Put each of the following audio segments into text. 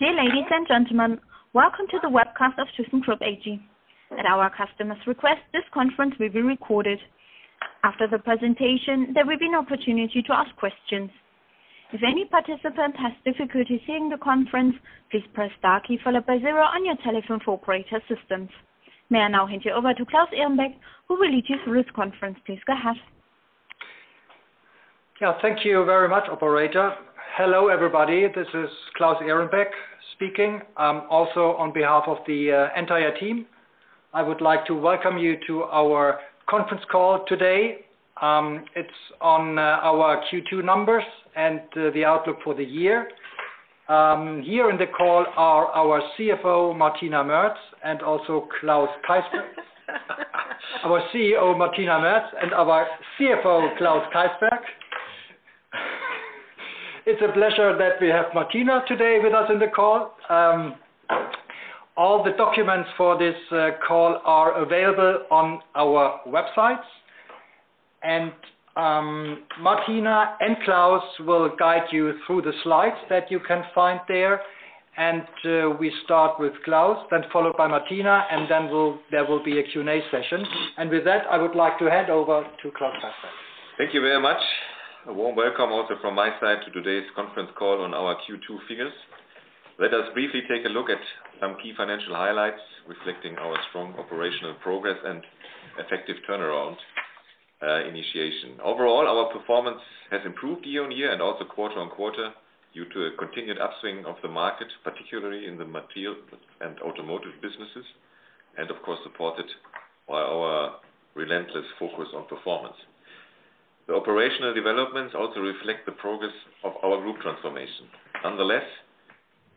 Dear ladies and gentlemen, welcome to the webcast of thyssenkrupp AG. At our customers' request, this conference will be recorded. After the presentation, there will be an opportunity to ask questions. If any participant has difficulty hearing the conference, please press star key followed by zero on your telephone for operator assistance. May I now hand you over to Claus Ehrenbeck, who will lead you through this conference. Please go ahead. Thank you very much, operator. Hello, everybody. This is Claus Ehrenbeck speaking. Also on behalf of the entire team, I would like to welcome you to our conference call today. It is on our Q2 numbers and the outlook for the year. Here on the call are our CFO, Martina Merz, and also Klaus Keysberg. Our CEO, Martina Merz, and our CFO, Klaus Keysberg. It is a pleasure that we have Martina today with us on the call. All the documents for this call are available on our website. Martina and Klaus will guide you through the slides that you can find there. We start with Klaus, then followed by Martina, and then there will be a Q&A session. With that, I would like to hand over to Klaus Keysberg. Thank you very much. A warm welcome also from my side to today's conference call on our Q2 figures. Let us briefly take a look at some key financial highlights reflecting our strong operational progress and effective turnaround initiation. Overall, our performance has improved year-over-year and also quarter-on-quarter due to a continued upswing of the market, particularly in the Materials Services and Automotive Technology businesses, and of course, supported by our relentless focus on performance. The operational developments also reflect the progress of our group transformation. Nonetheless,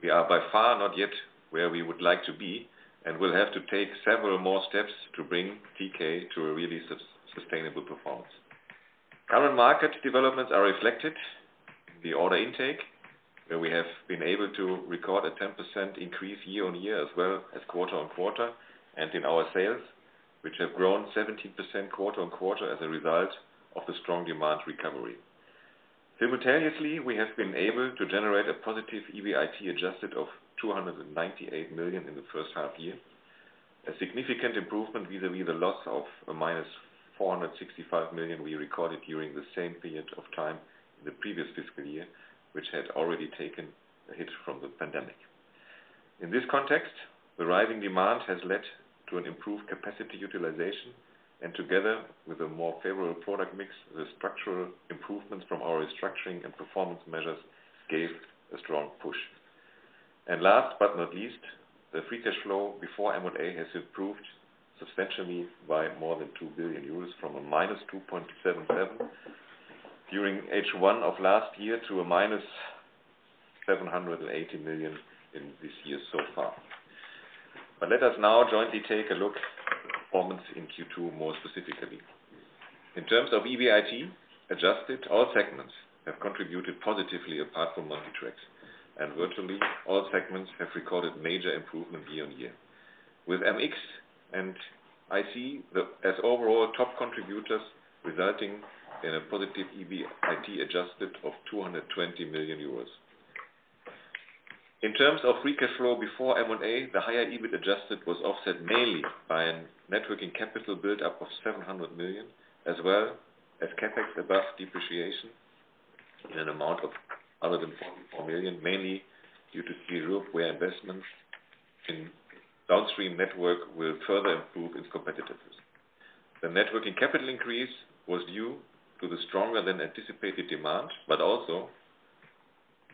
we are by far not yet where we would like to be and will have to take several more steps to bring TK to a really sustainable performance. Current market developments are reflected in the order intake, where we have been able to record a 10% increase year-on-year as well as quarter-on-quarter, and in our sales, which have grown 17% quarter-on-quarter as a result of the strong demand recovery. Simultaneously, we have been able to generate a positive EBITDA adjusted of 298 million in the first half year, a significant improvement vis-a-vis the loss of the minus 465 million we recorded during the same period of time in the previous fiscal year, which had already taken a hit from the pandemic. In this context, the rising demand has led to an improved capacity utilization, and together with a more favorable product mix, the structural improvements from our restructuring and performance measures gave a strong push. Last but not least, the free cash flow before M&A has improved substantially by more than 2 billion euros from a minus 2.7 billion during H1 of last year to a minus 780 million in this year so far. Let us now jointly take a look at the performance in Q2 more specifically. In terms of EBIT adjusted, all segments have contributed positively apart from Multi Tracks. Virtually all segments have recorded major improvement year-over-year. With MS and AT as overall top contributors, resulting in a positive EBITDA adjusted of 220 million euros. In terms of free cash flow before M&A, the higher EBITDA adjusted was offset mainly by a net working capital buildup of 700 million as well as CapEx above depreciation in an amount of 104 million, mainly due to Europe, where investments in downstream network will further improve its competitiveness. The net working capital increase was due to the stronger than anticipated demand, but also,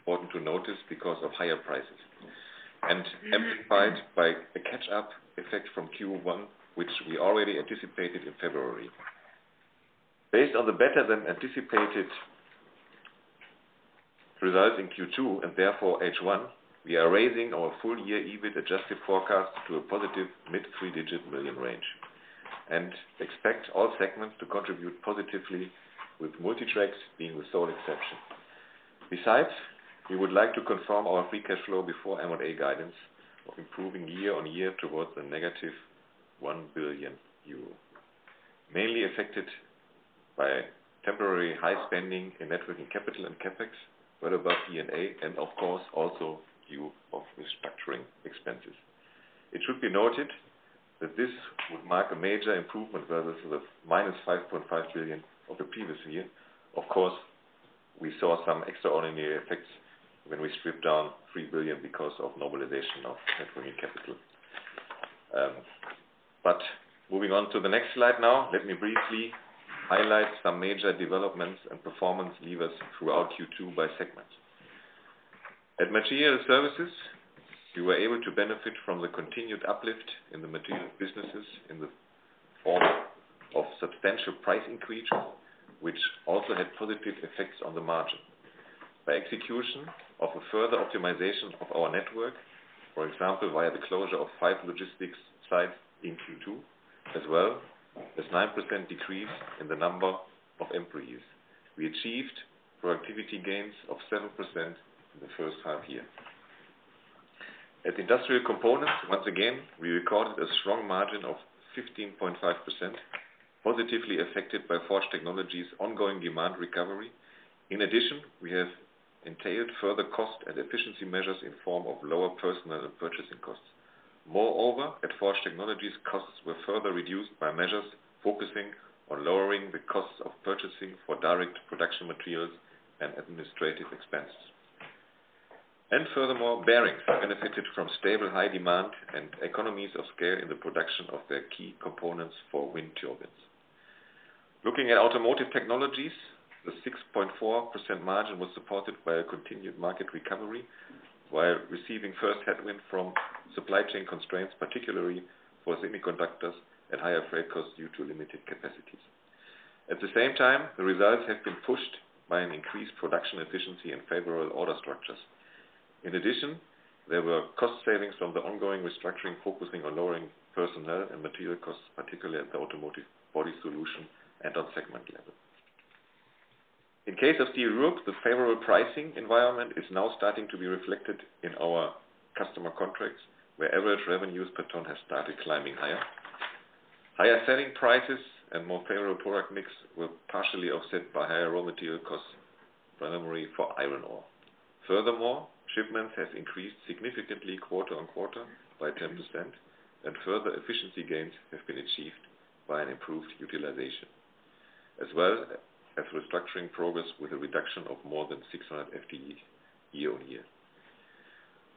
important to notice, because of higher prices and amplified by a catch-up effect from Q1, which we already anticipated in February. Based on the better-than-anticipated result in Q2, and therefore H1, we are raising our full-year EBITDA adjusted forecast to a positive mid-three-digit million range and expect all segments to contribute positively, with Multi Tracks being the sole exception. We would like to confirm our free cash flow before M&A guidance of improving year-on-year towards the negative 1 billion euro, mainly affected by temporary high spending in net working capital and CapEx, well above D&A, and of course, also due to restructuring expenses. It should be noted that this would mark a major improvement versus the minus 5.5 billion of the previous year. Of course, we saw some extraordinary effects when we stripped down 3 billion because of normalization of net working capital. Moving on to the next slide now, let me briefly highlight some major developments and performance levers throughout Q2 by segment. At Materials Services, we were able to benefit from the continued uplift in the materials businesses in the form of substantial price increase, which also had positive effects on the margin. By execution of a further optimization of our network, for example, via the closure of five logistics sites in Q2, as well as 9% decrease in the number of employees. We achieved productivity gains of 7% in the first half year. At Industrial Components, once again, we recorded a strong margin of 15.5%, positively affected by Forged Technologies' ongoing demand recovery. In addition, we have entailed further cost and efficiency measures in form of lower personnel and purchasing costs. Moreover, at Forged Technologies, costs were further reduced by measures focusing on lowering the costs of purchasing for direct production materials and administrative expenses. Furthermore, bearings benefited from stable high demand and economies of scale in the production of their key components for wind turbines. Looking at Automotive Technologies, the 6.4% margin was supported by a continued market recovery, while receiving first headwind from supply chain constraints, particularly for semiconductors at higher freight costs due to limited capacities. At the same time, the results have been pushed by an increased production efficiency and favorable order structures. In addition, there were cost savings from the ongoing restructuring, focusing on lowering personnel and material costs, particularly at the Automotive Body Solutions and on segment level. In case of thyssenkrupp, the favorable pricing environment is now starting to be reflected in our customer contracts, where average revenues per ton has started climbing higher. Higher selling prices and more favorable product mix were partially offset by higher raw material costs, primarily for iron ore. Furthermore, shipments have increased significantly quarter-on-quarter by 10%, and further efficiency gains have been achieved by an improved utilization, as well as restructuring progress with a reduction of more than 600 FTE year-on-year.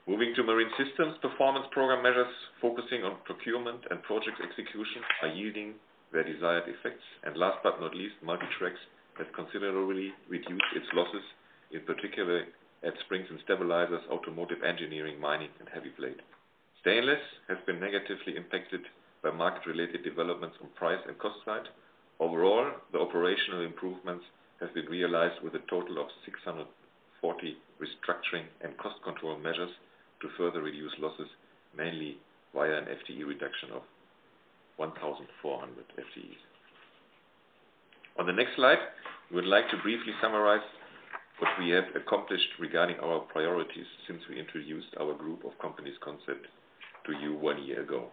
Moving to thyssenkrupp Marine Systems, performance program measures focusing on procurement and project execution are yielding their desired effects. Last but not least, Multi Tracks has considerably reduced its losses, in particular at Springs & Stabilizers, Automotive Engineering, Mining Technologies, and Heavy Plate. Stainless has been negatively impacted by market-related developments on price and cost side. Overall, the operational improvements have been realized with a total of 640 restructuring and cost control measures to further reduce losses, mainly via an FTE reduction of 1,400 FTEs. On the next slide, we would like to briefly summarize what we have accomplished regarding our priorities since we introduced our group of companies concept to you one year ago.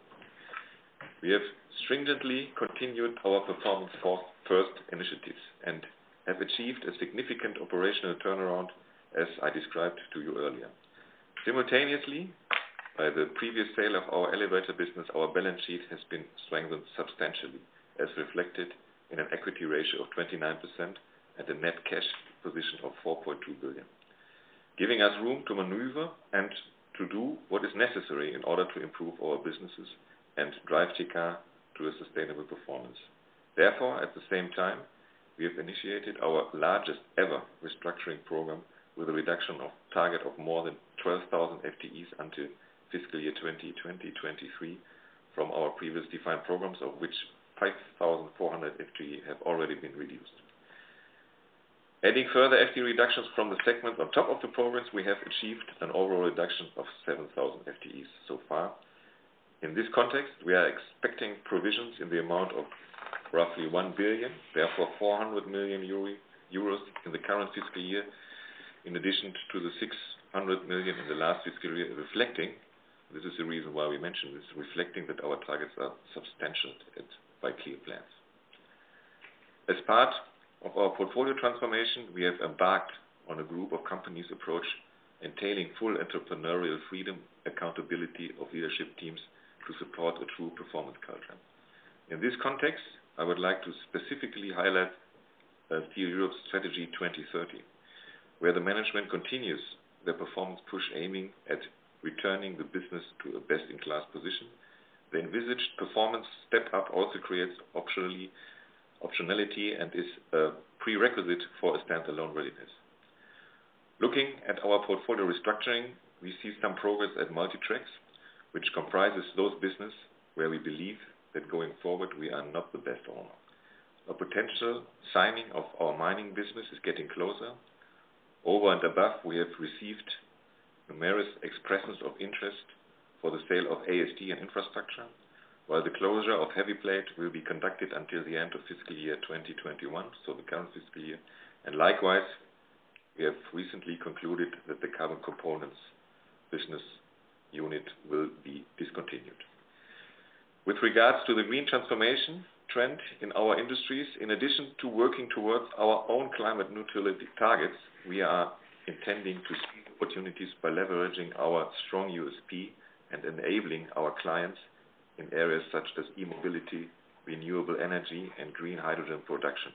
We have stringently continued our performance first initiatives and have achieved a significant operational turnaround, as I described to you earlier. Simultaneously, by the previous sale of our elevator business, our balance sheet has been strengthened substantially, as reflected in an equity ratio of 29% and a net cash position of 4.2 billion, giving us room to maneuver and to do what is necessary in order to improve our businesses and drive TK to a sustainable performance. At the same time, we have initiated our largest ever restructuring program with a reduction of target of more than 12,000 FTEs until fiscal year 2023 from our previously defined programs, of which 5,400 FTE have already been reduced. Adding further FTE reductions from the segments on top of the progress, we have achieved an overall reduction of 7,000 FTEs so far. In this context, we are expecting provisions in the amount of roughly 1 billion, 400 million euros in the current fiscal year, in addition to the 600 million in the last fiscal year, reflecting, this is the reason why we mentioned this, reflecting that our targets are substantial and by clear plans. As part of our portfolio transformation, we have embarked on a group of companies approach, entailing full entrepreneurial freedom, accountability of leadership teams to support a true performance culture. In this context, I would like to specifically highlight the thyssenkrupp Strategy 2030, where the management continues their performance push aiming at returning the business to a best-in-class position. The envisaged performance step-up also creates optionality and is a prerequisite for a standalone readiness. Looking at our portfolio restructuring, we see some progress at Multi Tracks, which comprises those business where we believe that going forward, we are not the best owner. A potential signing of our Mining Technologies is getting closer. Over and above, we have received numerous expressions of interest for the sale of AST and Infrastructure, while the closure of Heavy Plate will be conducted until the end of fiscal year 2021, so the current fiscal year. Likewise, we have recently concluded that the Carbon Components business unit will be discontinued. With regards to the green transformation trend in our industries, in addition to working towards our own climate neutrality targets, we are intending to seek opportunities by leveraging our strong USP and enabling our clients in areas such as e-mobility, renewable energy, and green hydrogen production.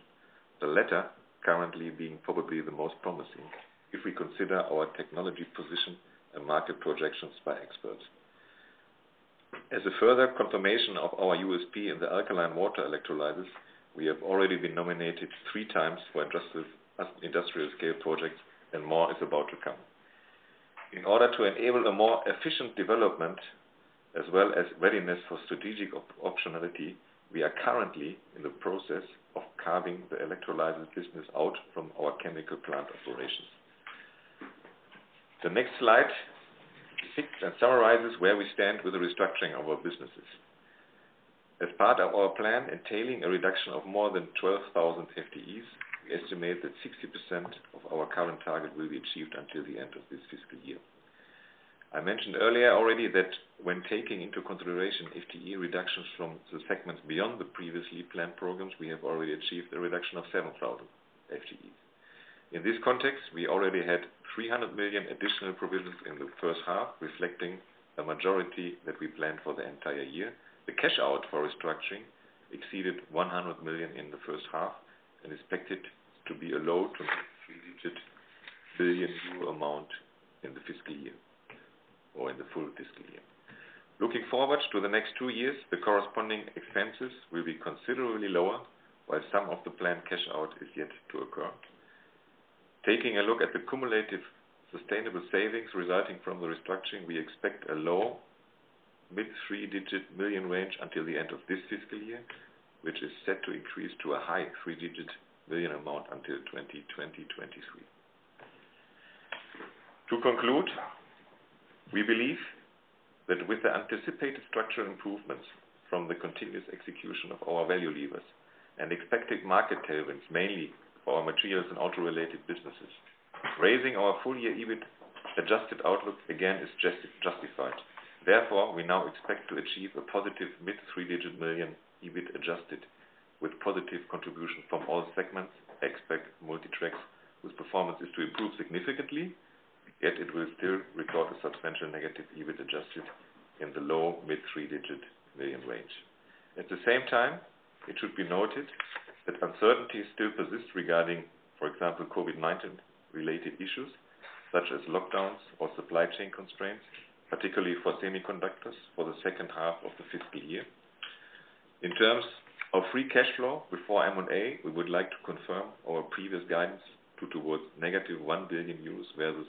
The latter currently being probably the most promising if we consider our technology position and market projections by experts. As a further confirmation of our USP in the alkaline water electrolysis, we have already been nominated three times for industrial scale projects, and more is about to come. In order to enable a more efficient development as well as readiness for strategic optionality, we are currently in the process of carving the electrolysis business out from our chemical plant operations. The next slide seeks and summarizes where we stand with the restructuring of our businesses. As part of our plan, entailing a reduction of more than 12,000 FTEs, we estimate that 60% of our current target will be achieved until the end of this fiscal year. I mentioned earlier already that when taking into consideration FTE reductions from the segments beyond the previously planned programs, we have already achieved a reduction of 7,000 FTEs. In this context, we already had 300 million additional provisions in the first half, reflecting the majority that we planned for the entire year. The cash out for restructuring exceeded 100 million in the first half and is expected to be a low to mid-digit billion EUR amount in the fiscal year or in the full fiscal year. Looking forward to the next two years, the corresponding expenses will be considerably lower, while some of the planned cash out is yet to occur. Taking a look at the cumulative sustainable savings resulting from the restructuring, we expect a low mid-three digit million EUR range until the end of this fiscal year, which is set to increase to a high three digit million EUR amount until 2023. To conclude, we believe that with the anticipated structural improvements from the continuous execution of our value levers and expected market tailwinds, mainly for our materials and auto-related businesses, raising our full year EBITDA adjusted outlook again is justified. Therefore, we now expect to achieve a positive mid three digit million EUR EBITDA adjusted with positive contribution from all segments, except Multi Tracks, whose performance is to improve significantly, yet it will still record a substantial negative EBITDA adjusted in the low mid-three digit million EUR range. At the same time, it should be noted that uncertainties still persist regarding, for example, COVID-19 related issues such as lockdowns or supply chain constraints, particularly for semiconductors, for the second half of the fiscal year. In terms of free cash flow before M&A, we would like to confirm our previous guidance towards negative 1 billion euros versus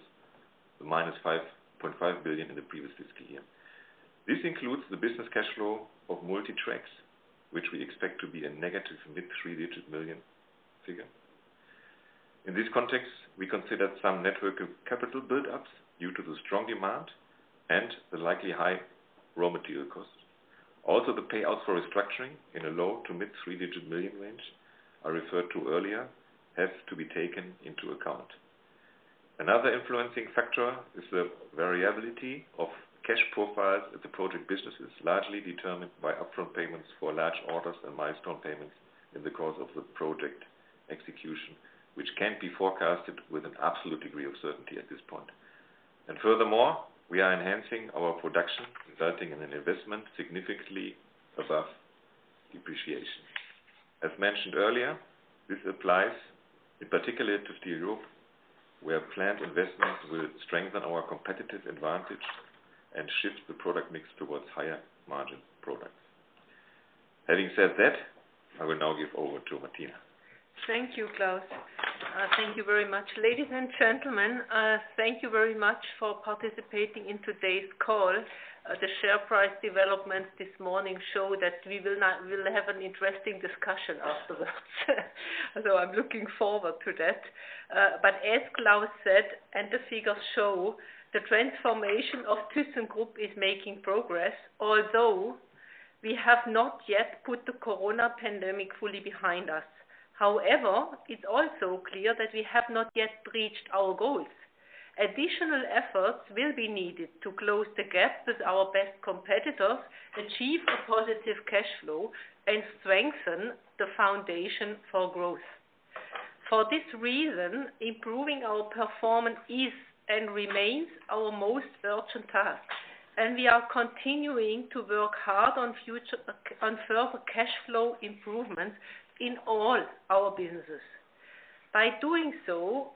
the -5.5 billion in the previous fiscal year. This includes the business cash flow of Multi Tracks, which we expect to be a negative mid-three digit million figure. In this context, we considered some net working capital buildups due to the strong demand and the likely high raw material cost. Also, the payouts for restructuring in a low to mid-three digit million range I referred to earlier have to be taken into account. Another influencing factor is the variability of cash profiles at the project businesses, largely determined by upfront payments for large orders and milestone payments in the course of the project execution, which can't be forecasted with an absolute degree of certainty at this point. Furthermore, we are enhancing our production, resulting in an investment significantly above depreciation. As mentioned earlier, this applies in particular to Steel Europe, where planned investments will strengthen our competitive advantage and shift the product mix towards higher margin products. Having said that, I will now give over to Martina. Thank you, Klaus. Thank you very much. Ladies and gentlemen, thank you very much for participating in today's call. The share price developments this morning show that we will have an interesting discussion afterwards. I'm looking forward to that. As Klaus said, and the figures show, the transformation of thyssenkrupp is making progress, although we have not yet put the COVID pandemic fully behind us. However, it's also clear that we have not yet reached our goals. Additional efforts will be needed to close the gap with our best competitors, achieve a positive cash flow, and strengthen the foundation for growth. For this reason, improving our performance is and remains our most urgent task, and we are continuing to work hard on further cash flow improvements in all our businesses. By doing so,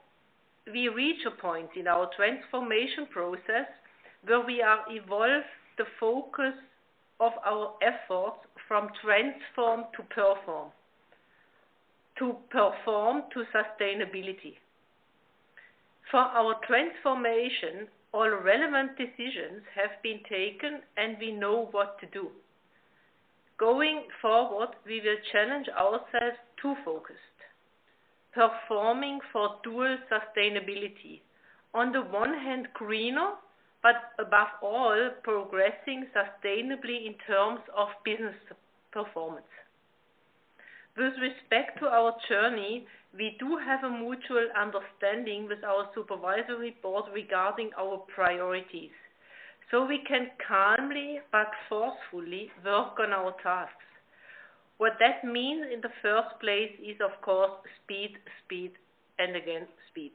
we reach a point in our transformation process where we are evolve the focus of our efforts from transform to perform, to perform to sustainability. For our transformation, all relevant decisions have been taken and we know what to do. Going forward, we will challenge ourselves to focused, performing for dual sustainability. On the one hand, greener, but above all, progressing sustainably in terms of business performance. With respect to our journey, we do have a mutual understanding with our supervisory board regarding our priorities. We can calmly but forcefully work on our tasks. What that means in the first place is, of course, speed, and again, speed.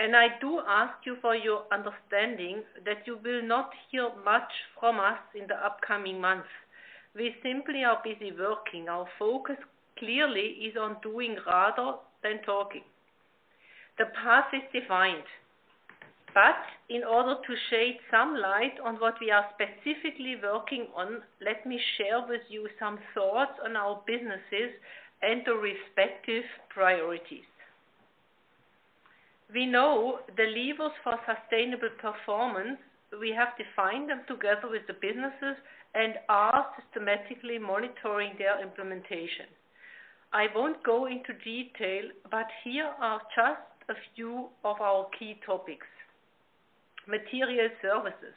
I do ask you for your understanding that you will not hear much from us in the upcoming months. We simply are busy working. Our focus clearly is on doing rather than talking. The path is defined. In order to shed some light on what we are specifically working on, let me share with you some thoughts on our businesses and the respective priorities. We know the levers for sustainable performance, we have defined them together with the businesses and are systematically monitoring their implementation. I won't go into detail, but here are just a few of our key topics. Materials Services.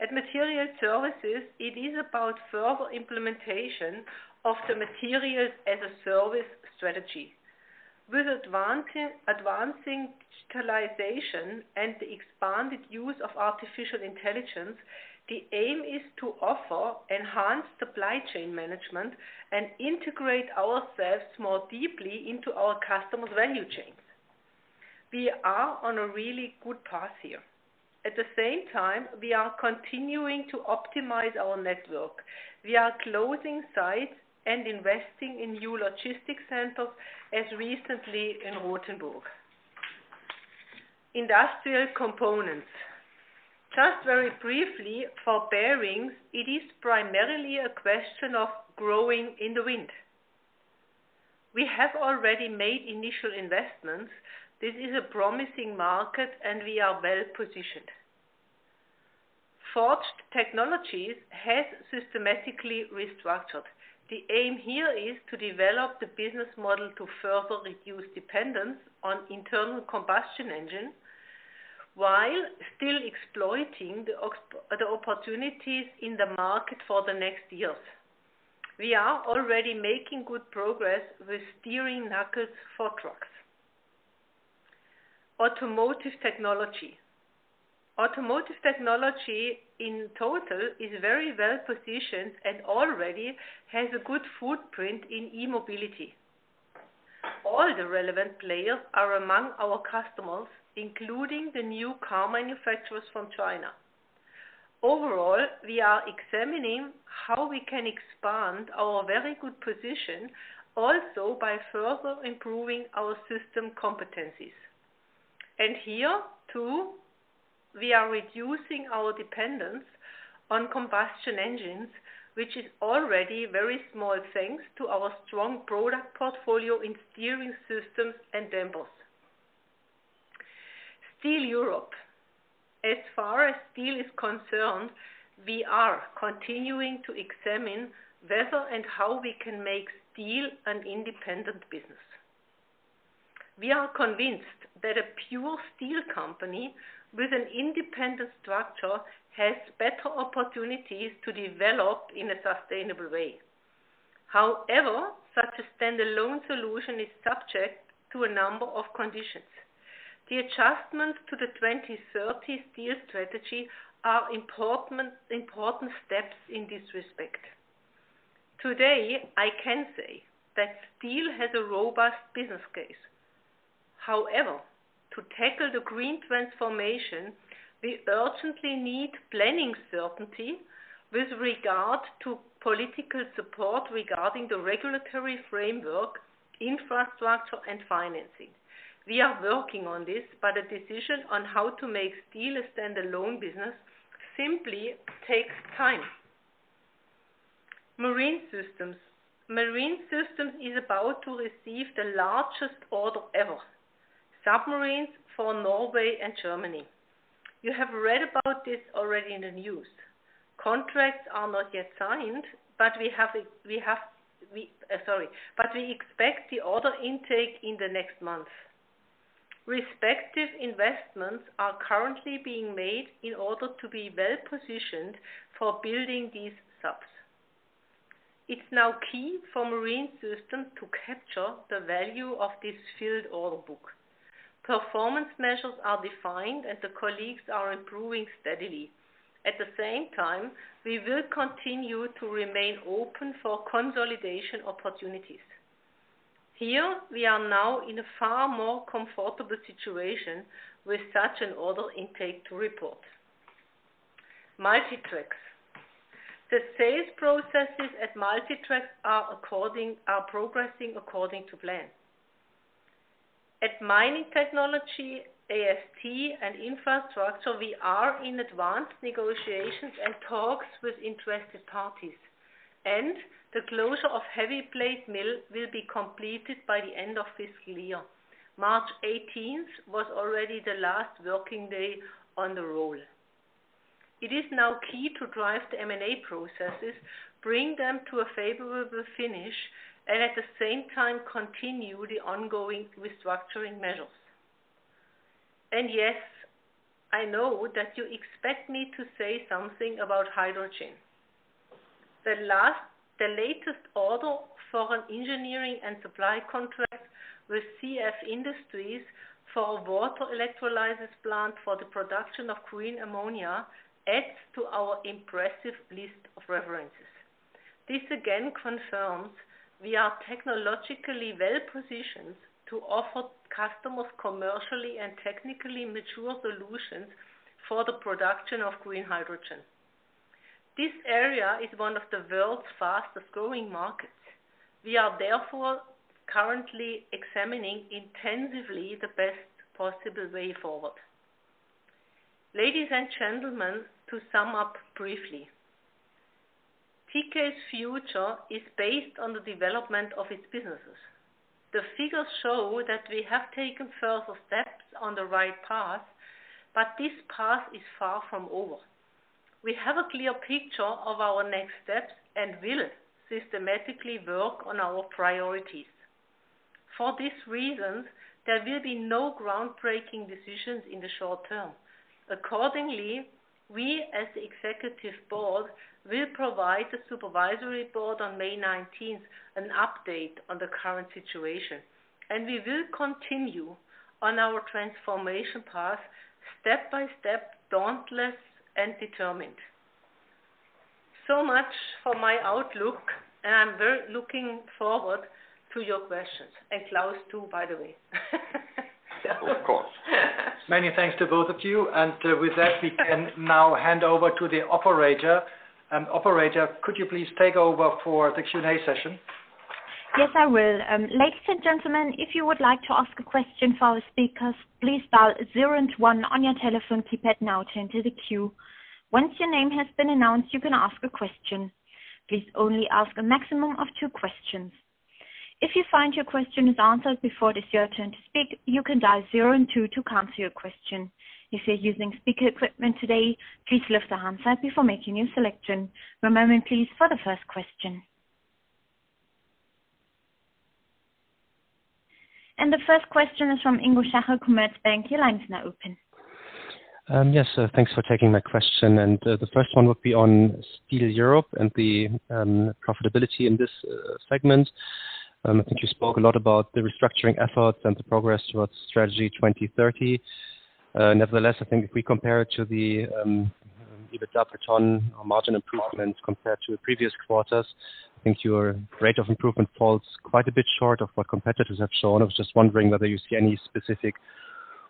At Materials Services, it is about further implementation of the Materials as a Service strategy. With advancing digitalization and the expanded use of artificial intelligence, the aim is to offer enhanced supply chain management and integrate ourselves more deeply into our customers' value chains. We are on a really good path here. At the same time, we are continuing to optimize our network. We are closing sites and investing in new logistics centers, as recently in Rotenburg. Industrial Components. Just very briefly, for bearings, it is primarily a question of growing in the wind. We have already made initial investments. This is a promising market, and we are well-positioned. Forged Technologies has systematically restructured. The aim here is to develop the business model to further reduce dependence on internal combustion engine, while still exploiting the opportunities in the market for the next years. We are already making good progress with steering knuckles for trucks. Automotive Technology. Automotive Technology, in total, is very well-positioned and already has a good footprint in e-mobility. All the relevant players are among our customers, including the new car manufacturers from China. Overall, we are examining how we can expand our very good position also by further improving our system competencies. Here, too, we are reducing our dependence on combustion engines, which is already very small, thanks to our strong product portfolio in steering systems and dampers. Steel Europe. As far as steel is concerned, we are continuing to examine whether and how we can make steel an independent business. We are convinced that a pure steel company with an independent structure has better opportunities to develop in a sustainable way. Such a standalone solution is subject to a number of conditions. The adjustments to the Strategy 2030 are important steps in this respect. Today, I can say that steel has a robust business case. To tackle the green transformation, we urgently need planning certainty with regard to political support regarding the regulatory framework, infrastructure, and financing. We are working on this, but a decision on how to make steel a standalone business simply takes time. Marine Systems. Marine Systems is about to receive the largest order ever, submarines for Norway and Germany. You have read about this already in the news. Contracts are not yet signed, we expect the order intake in the next month. Respective investments are currently being made in order to be well-positioned for building these subs. It's now key for Marine Systems to capture the value of this filled order book. Performance measures are defined, the colleagues are improving steadily. At the same time, we will continue to remain open for consolidation opportunities. Here, we are now in a far more comfortable situation with such an order intake to report. Multi Tracks. The sales processes at Multi Tracks are progressing according to plan. At Mining Technologies, AST, and Infrastructure, we are in advanced negotiations and talks with interested parties, and the closure of Heavy Plate mill will be completed by the end of fiscal year. March 18th was already the last working day on the roll. It is now key to drive the M&A processes, bring them to a favorable finish, and at the same time, continue the ongoing restructuring measures. Yes, I know that you expect me to say something about hydrogen. The latest order for an engineering and supply contract with CF Industries for a water electrolysis plant for the production of green ammonia adds to our impressive list of references. This again confirms we are technologically well-positioned to offer customers commercially and technically mature solutions for the production of green hydrogen. This area is one of the world's fastest-growing markets. We are therefore currently examining intensively the best possible way forward. Ladies and gentlemen, to sum up briefly, TK's future is based on the development of its businesses. The figures show that we have taken further steps on the right path, but this path is far from over. We have a clear picture of our next steps and will systematically work on our priorities. For these reasons, there will be no groundbreaking decisions in the short term. Accordingly, we as the executive board, will provide the supervisory board on May 19th, an update on the current situation. We will continue on our transformation path step by step, dauntless and determined. Much for my outlook, and I'm very looking forward to your questions. Klaus too, by the way. Of course. Many thanks to both of you. With that, we can now hand over to the operator. Operator, could you please take over for the Q&A session? Yes, I will. Ladies and gentlemen, if you would like to ask question for speakers press star zero and one on your telephone keypad to enter the queue. Once your name has been announced you can ask the question. Please only have a maximum of two questions. If you find your question is answered before your turn to speak you can dial zero and two to cancel your question. If you are using speaker equipment today please raise your hand up before making any selection. One moment please for the first question. The first question is from Ingrid, Kommerzbank. Your line is now open. Yes. Thanks for taking my question. The first one would be on Steel Europe and the profitability in this segment. I think you spoke a lot about the restructuring efforts and the progress towards Strategy 2030. Nevertheless, I think if we compare it to the EBITDA per ton or margin improvement compared to previous quarters, I think your rate of improvement falls quite a bit short of what competitors have shown. I was just wondering whether you see any specific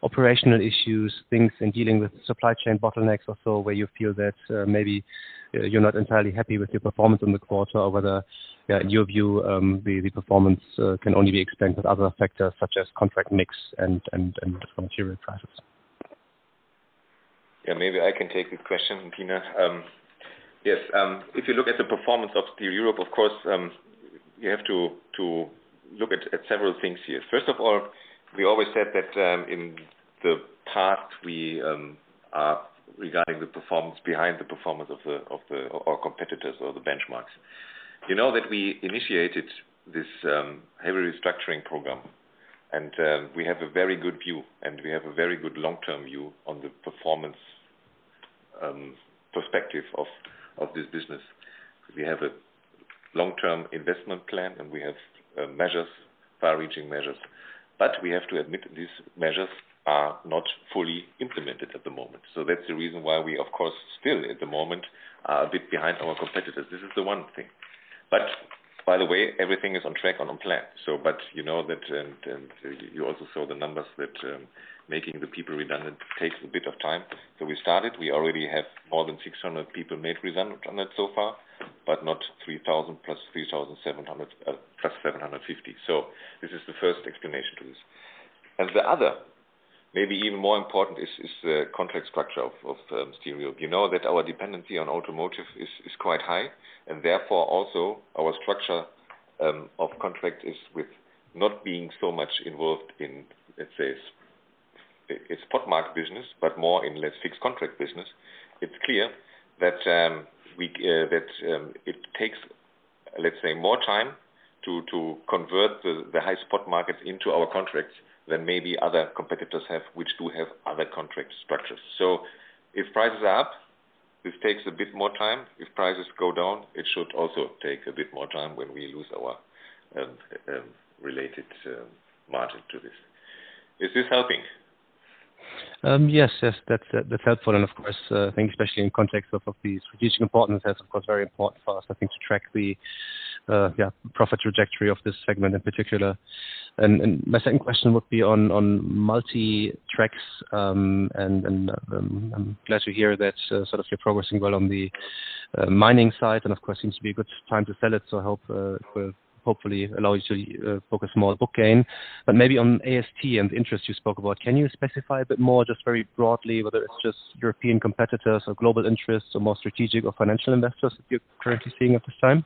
operational issues, things in dealing with supply chain bottlenecks or so, where you feel that maybe you're not entirely happy with your performance in the quarter or whether, in your view, the performance can only be explained with other factors such as contract mix and different material prices. Maybe I can take this question, Tina. If you look at the performance of thyssenkrupp Steel Europe, of course, you have to look at several things here. First of all, we always said that in the past, we are regarding the performance behind the performance of our competitors or the benchmarks. You know that we initiated this heavy restructuring program, and we have a very good view, and we have a very good long-term view on the performance perspective of this business. We have a long-term investment plan, and we have far-reaching measures. We have to admit these measures are not fully implemented at the moment. That's the reason why we of course, still at the moment are a bit behind our competitors. This is the one thing. By the way, everything is on track and on plan. You also saw the numbers that making the people redundant takes a bit of time. We started, we already have more than 600 people made redundant so far, but not 3,000 plus 750. This is the first explanation to this. The other, maybe even more important, is the contract structure of Steel Europe. You know that our dependency on automotive is quite high, and therefore also our structure of contract is with not being so much involved in, let's say, a spot market business, but more in let's fixed contract business. It's clear that it takes, let's say, more time to convert the high spot markets into our contracts than maybe other competitors have, which do have other contract structures. If prices are up, this takes a bit more time. If prices go down, it should also take a bit more time when we lose our related margin to this. Is this helping? Yes. That's helpful. Of course, I think especially in context of the strategic importance, that's of course, very important for us, I think, to track the profit trajectory of this segment in particular. My second question would be on Multi Tracks. I'm glad to hear that you're progressing well on the mining side, and of course, seems to be a good time to sell it. Hopefully allow you to focus more on book gain. Maybe on AST and the interest you spoke about, can you specify a bit more, just very broadly, whether it's just European competitors or global interests or more strategic or financial investors that you're currently seeing at this time?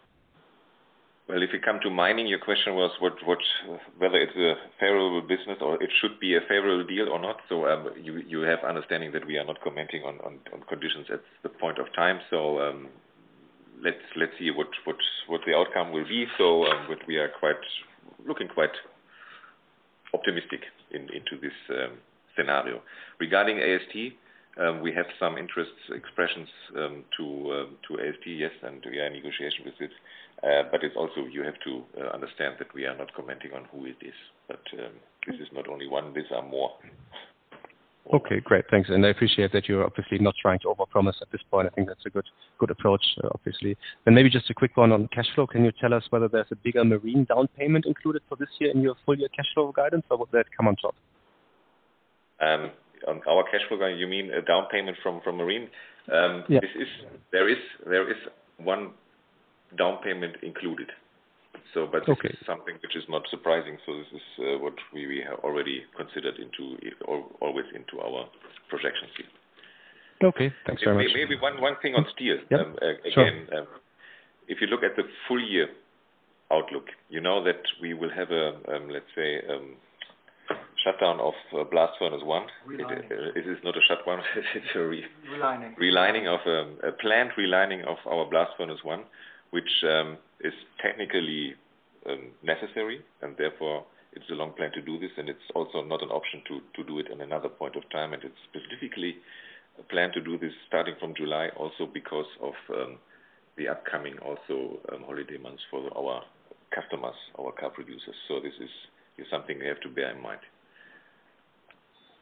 Well, if you come to mining, your question was whether it's a favorable business or it should be a favorable deal or not. You have understanding that we are not commenting on conditions at the point of time. Let's see what the outcome will be. We are looking quite optimistic into this scenario. Regarding AST, we have some interest expressions to AST, yes. We are in negotiation with it. It's also you have to understand that we are not commenting on who it is. This is not only one, these are more. Okay, great. Thanks. I appreciate that you're obviously not trying to overpromise at this point. I think that's a good approach, obviously. Maybe just a quick one on cash flow. Can you tell us whether there's a bigger Marine down payment included for this year in your full year cash flow guidance, or would that come on top? On our cash flow guidance, you mean a down payment from marine? Yeah. There is one down payment included. Okay. This is something which is not surprising. This is what we have already considered always into our projection scheme. Okay. Thanks very much. Maybe one thing on steel. Yeah, sure. Again, if you look at the full year outlook, you know that we will have, let's say shutdown of blast furnace one. Relining. It is not a shut one. Relining A planned relining of our blast furnace one, which is technically necessary, and therefore, it's a long plan to do this, and it's also not an option to do it in another point of time. It's specifically a plan to do this starting from July, also because of the upcoming holiday months for our customers, our car producers. This is something we have to bear in mind.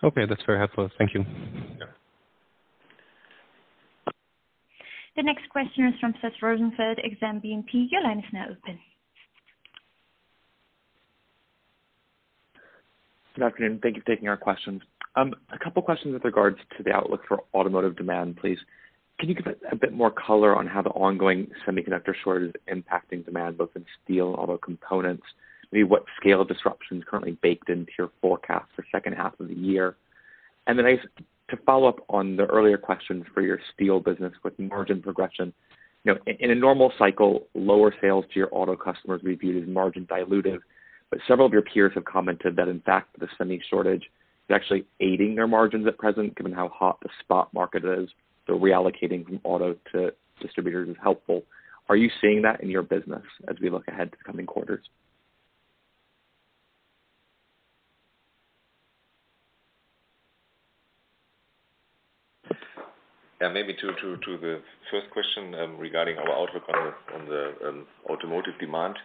Okay, that's very helpful. Thank you. Yeah. The next question is from Seth Rosenfeld, Exane BNP. Your line is now open. Good afternoon. Thank you for taking our questions. A couple questions with regards to the outlook for automotive demand, please. Can you give a bit more color on how the ongoing semiconductor shortage is impacting demand, both in steel and auto components? Maybe what scale disruption's currently baked into your forecast for second half of the year? Then I, to follow up on the earlier question for your steel business with margin progression. In a normal cycle, lower sales to your auto customers we view as margin dilutive. Several of your peers have commented that, in fact, the semi shortage is actually aiding their margins at present, given how hot the spot market is. Reallocating from auto to distributors is helpful. Are you seeing that in your business as we look ahead to the coming quarters? Maybe to the first question regarding our outlook on the automotive demand.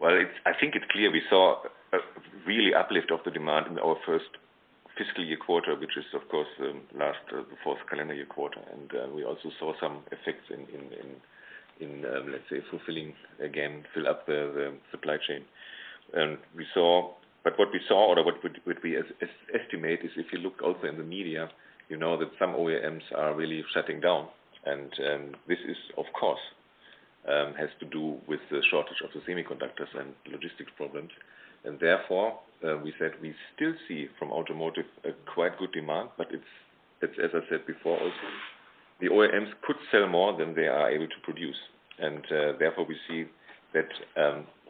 I think it clear we saw a really uplift of the demand in our first fiscal year quarter, which is, of course, last fourth calendar year quarter. We also saw some effects in, let's say, fulfilling again, fill up the supply chain. What we saw or what we estimate is if you look also in the media, you know that some OEMs are really shutting down. This, of course, has to do with the shortage of the semiconductors and logistics problems. Therefore, we said we still see from automotive a quite good demand, but it's as I said before also, the OEMs could sell more than they are able to produce. Therefore we see that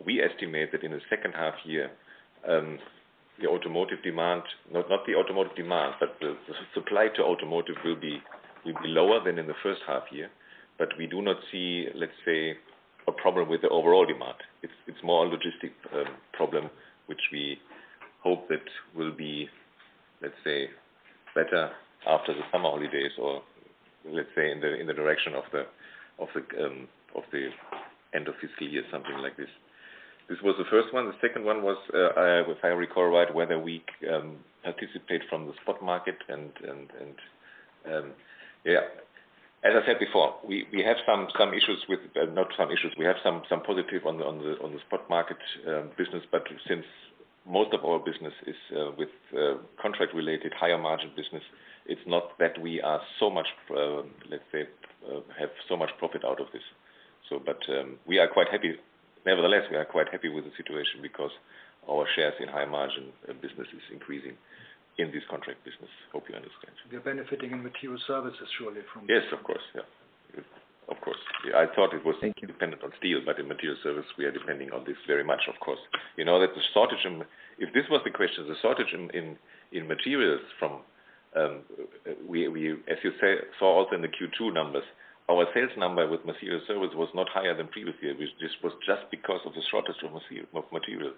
we estimate that in the second half year, the automotive demand, not the automotive demand, but the supply to automotive will be lower than in the first half year. We do not see, let's say, a problem with the overall demand. It's more a logistic problem, which we hope that will be, let's say, better after the summer holidays or, let's say, in the direction of the end of fiscal year, something like this. This was the first one. The second one was, if I recall right, whether we participate from the spot market and, yeah. As I said before, we have some positive on the spot market business. Since most of our business is with contract-related, higher margin business, it's not that we are so much, let's say, have so much profit out of this. We are quite happy. Nevertheless, we are quite happy with the situation because our shares in high margin business is increasing in this contract business. Hope you understand. You're benefiting in Materials Services, surely, from this. Yes, of course. Yeah. Of course. Thank you. Dependent on steel, in Materials Services, we are depending on this very much, of course. You know that the shortage in, if this was the question, the shortage in materials from, as you say, saw also in the Q2 numbers, our sales number with Materials Services was not higher than previous year. This was just because of the shortage of material.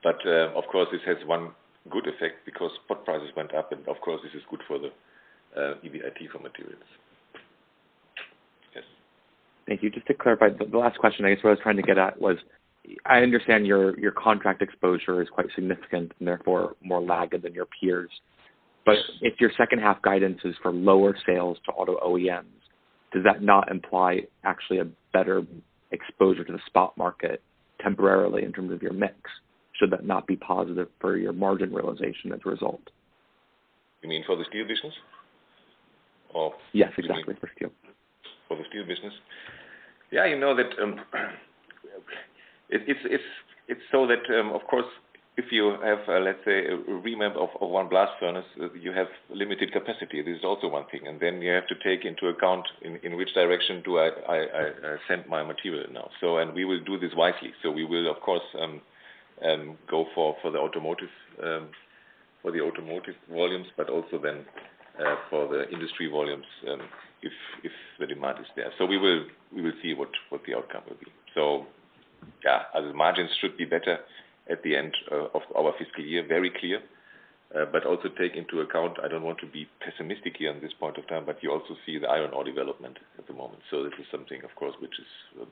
Of course, this has one good effect because spot prices went up, and of course, this is good for the EBITDA for materials. Yes. Thank you. Just to clarify the last question, I guess what I was trying to get at was, I understand your contract exposure is quite significant and therefore more lagging than your peers. If your second half guidance is for lower sales to auto OEMs, does that not imply actually a better exposure to the spot market temporarily in terms of your mix? Should that not be positive for your margin realization as a result? You mean for the steel business? Yes, exactly. For steel For the steel business. Yeah, you know that it's so that, of course, if you have, let's say, a revamp of one blast furnace, you have limited capacity. This is also one thing. You have to take into account in which direction do I send my material now. We will do this wisely. We will, of course, go for the automotive volumes, but also then, for the industry volumes, if the demand is there. We will see what the outcome will be. Yeah, as margins should be better at the end of our fiscal year, very clear. Also take into account, I don't want to be pessimistic here on this point of time, but you also see the iron ore development at the moment. This is something, of course, which is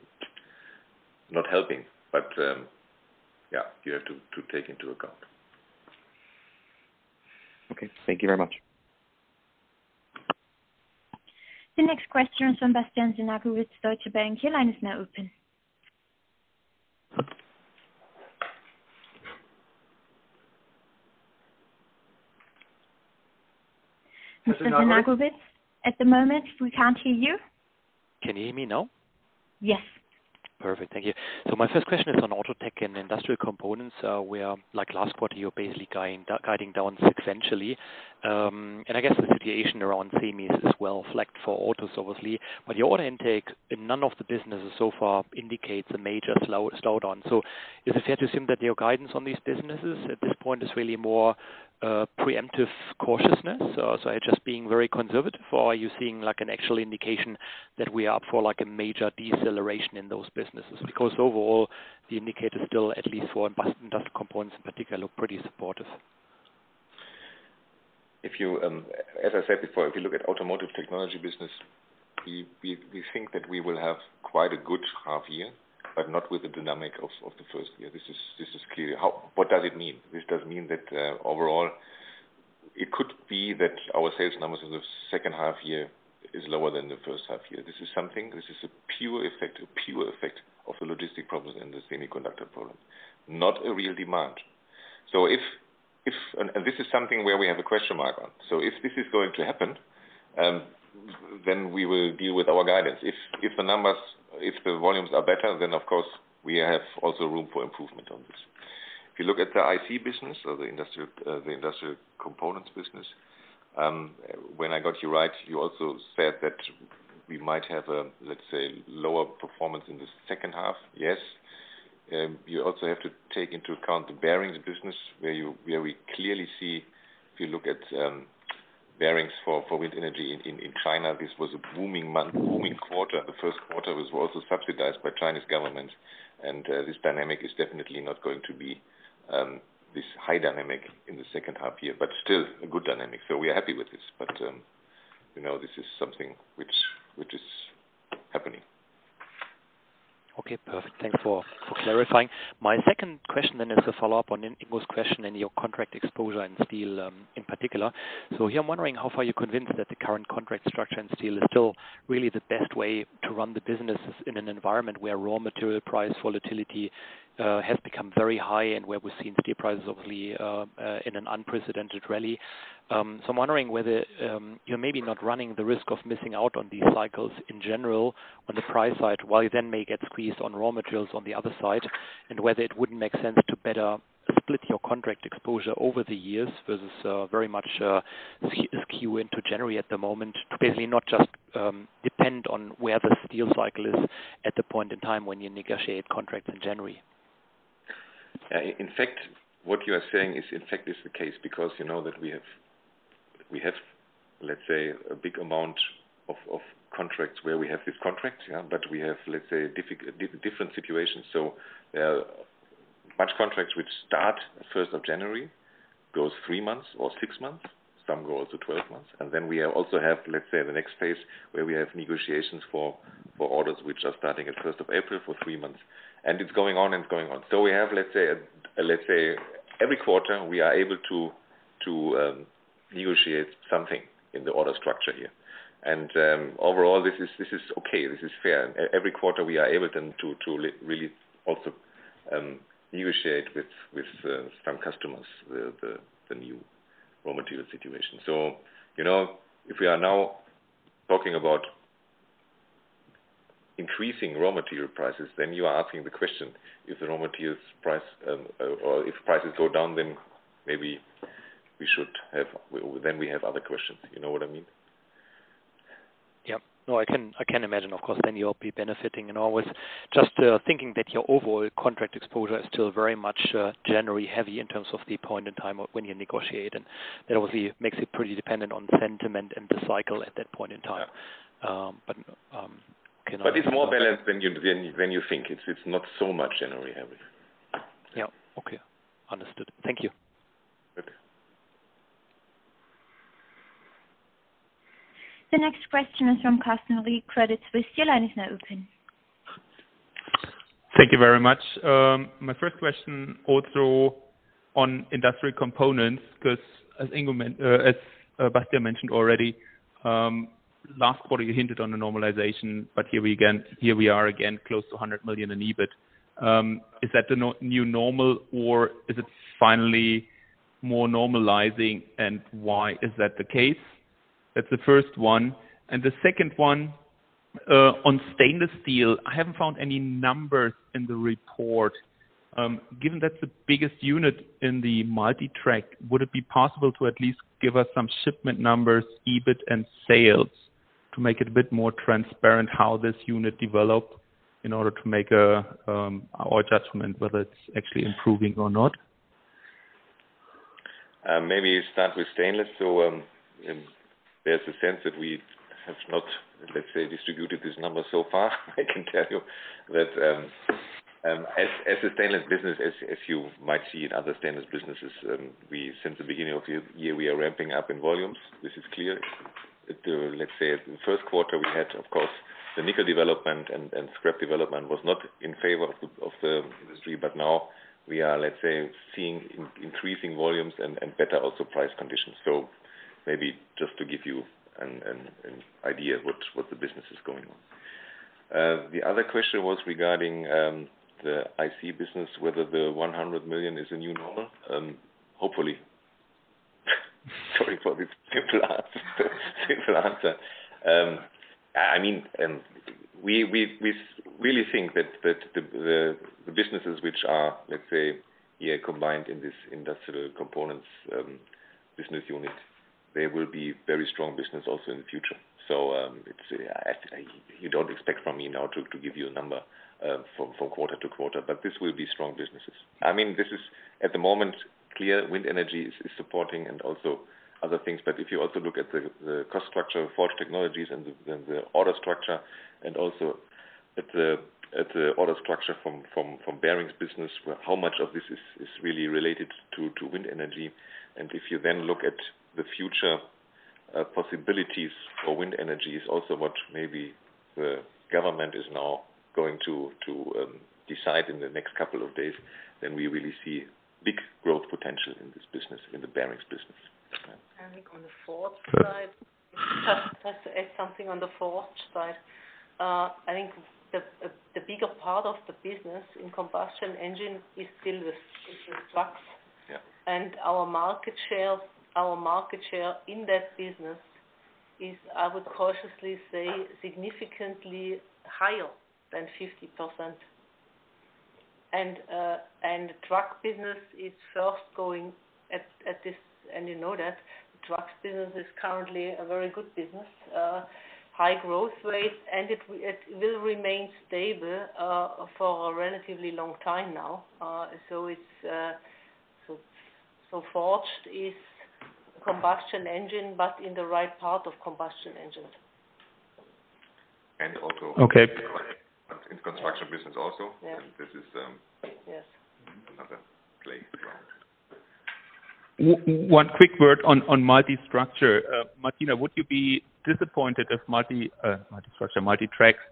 not helping, but, yeah, you have to take into account. Okay. Thank you very much. The next question is from Bastian Synagowitz, Deutsche Bank. Your line is now open. Mr. Synagowitz. At the moment, we can't hear you. Can you hear me now? Yes. Perfect. Thank you. My first question is on Auto Tech and Industrial Components. Where last quarter you were basically guiding down sequentially. I guess the situation around SEMI is as well flagged for autos, obviously. Your order intake in none of the businesses so far indicates a major slowdown. Is it fair to assume that your guidance on these businesses at this point is really more preemptive cautiousness? Just being very conservative, or are you seeing an actual indication that we are up for a major deceleration in those businesses? Overall, the indicators still, at least for Industrial Components in particular, look pretty supportive. As I said before, if you look at Automotive Technology, we think that we will have quite a good half year, but not with the dynamic of the first year. This is clear. What does it mean? This does mean that overall, it could be that our sales numbers in the second half year is lower than the first half year. This is something. This is a pure effect of the logistic problems and the semiconductor problems, not a real demand. This is something where we have a question mark on. If this is going to happen, then we will deal with our guidance. If the volumes are better, then of course we have also room for improvement on this. If you look at the IC business or the Industrial Components business, when I got you right, you also said that we might have a, let's say, lower performance in the second half. Yes. You also have to take into account the bearings business where we clearly see, if you look at bearings for wind energy in China, this was a booming quarter. The first quarter was also subsidized by Chinese government. This dynamic is definitely not going to be this high dynamic in the second half year, but still a good dynamic. We are happy with this. This is something which is happening. Okay, perfect. Thanks for clarifying. My second question is a follow-up on Ingrid's question and your contract exposure in steel, in particular. Here I'm wondering how far you're convinced that the current contract structure in steel is still really the best way to run the businesses in an environment where raw material price volatility has become very high and where we've seen steel prices, obviously, in an unprecedented rally. I'm wondering whether you're maybe not running the risk of missing out on these cycles in general on the price side, while you then may get squeezed on raw materials on the other side, and whether it wouldn't make sense to better split your contract exposure over the years versus very much skew into January at the moment to basically not just depend on where the steel cycle is at the point in time when you negotiate contracts in January. In fact, what you are saying is the case, because you know that we have, let's say, a big amount of contracts where we have these contracts. We have, let's say, different situations. There are much contracts which start the 1st of January, goes three months or six months. Some go to 12 months. Then we also have, let's say, the next phase where we have negotiations for orders which are starting at 1st of April for three months. It's going on and going on. We have, let's say, every quarter we are able to negotiate something in the order structure here. Overall, this is okay. This is fair. Every quarter we are able then to really also negotiate with some customers the new raw material situation. If we are now talking about increasing raw material prices, then you are asking the question, if the raw materials price or if prices go down, then we have other questions. You know what I mean? Yeah. No, I can imagine, of course, then you'll be benefiting. Always just thinking that your overall contract exposure is still very much January heavy in terms of the point in time of when you negotiate, and that obviously makes it pretty dependent on sentiment and the cycle at that point in time. It's more balanced than you think. It's not so much January heavy. Yeah. Okay. Understood. Thank you. Okay. The next question is from Carsten Riek, Credit Suisse. Your line is now open. Thank you very much. My first question also on Industrial Components. As Bastian mentioned already, last quarter you hinted on a normalization. Here we are again, close to 100 million in EBITDA. Is that the new normal or is it finally more normalizing, why is that the case? That's the first one. The second one, on stainless steel, I haven't found any numbers in the report. Given that's the biggest unit in the Multi-Tracks, would it be possible to at least give us some shipment numbers, EBITDA, and sales to make it a bit more transparent how this unit developed in order to make our judgment whether it's actually improving or not? There's a sense that we have not, let's say, distributed this number so far. I can tell you that as a stainless business, as you might see in other stainless businesses, since the beginning of year, we are ramping up in volumes. This is clear. Let's say the first quarter we had, of course, the nickel development and scrap development was not in favor of the industry. Now we are, let's say, seeing increasing volumes and better also price conditions. Maybe just to give you an idea what the business is going on. The other question was regarding the IC business, whether the 100 million is a new normal. Hopefully. Sorry for this simple answer. We really think that the businesses which are, let's say, combined in this Industrial Components business unit, they will be very strong business also in the future. You don't expect from me now to give you a number from quarter to quarter, but this will be strong businesses. This is at the moment clear, wind energy is supporting and also other things. If you also look at the cost structure of Forged Technologies and the order structure and also at the order structure from bearings business, how much of this is really related to wind energy? If you then look at the future possibilities for wind energy, is also what maybe the government is now going to decide in the next couple of days, then we really see big growth potential in this business, in the bearings business. I think on the forged side, just to add something on the forged side. I think the bigger part of the business in combustion engine is still with trucks. Yeah. Our market share in that business is, I would cautiously say, significantly higher than 50%. Truck business is first going at this, and you know that. Truck business is currently a very good business, high growth rate, and it will remain stable for a relatively long time now. Forged is combustion engine, but in the right part of combustion engine. And also- Okay in construction business also. Yeah. And this is- Yes another playing ground. One quick word on Multi Tracks. Martina, would you be disappointed if Multi Tracks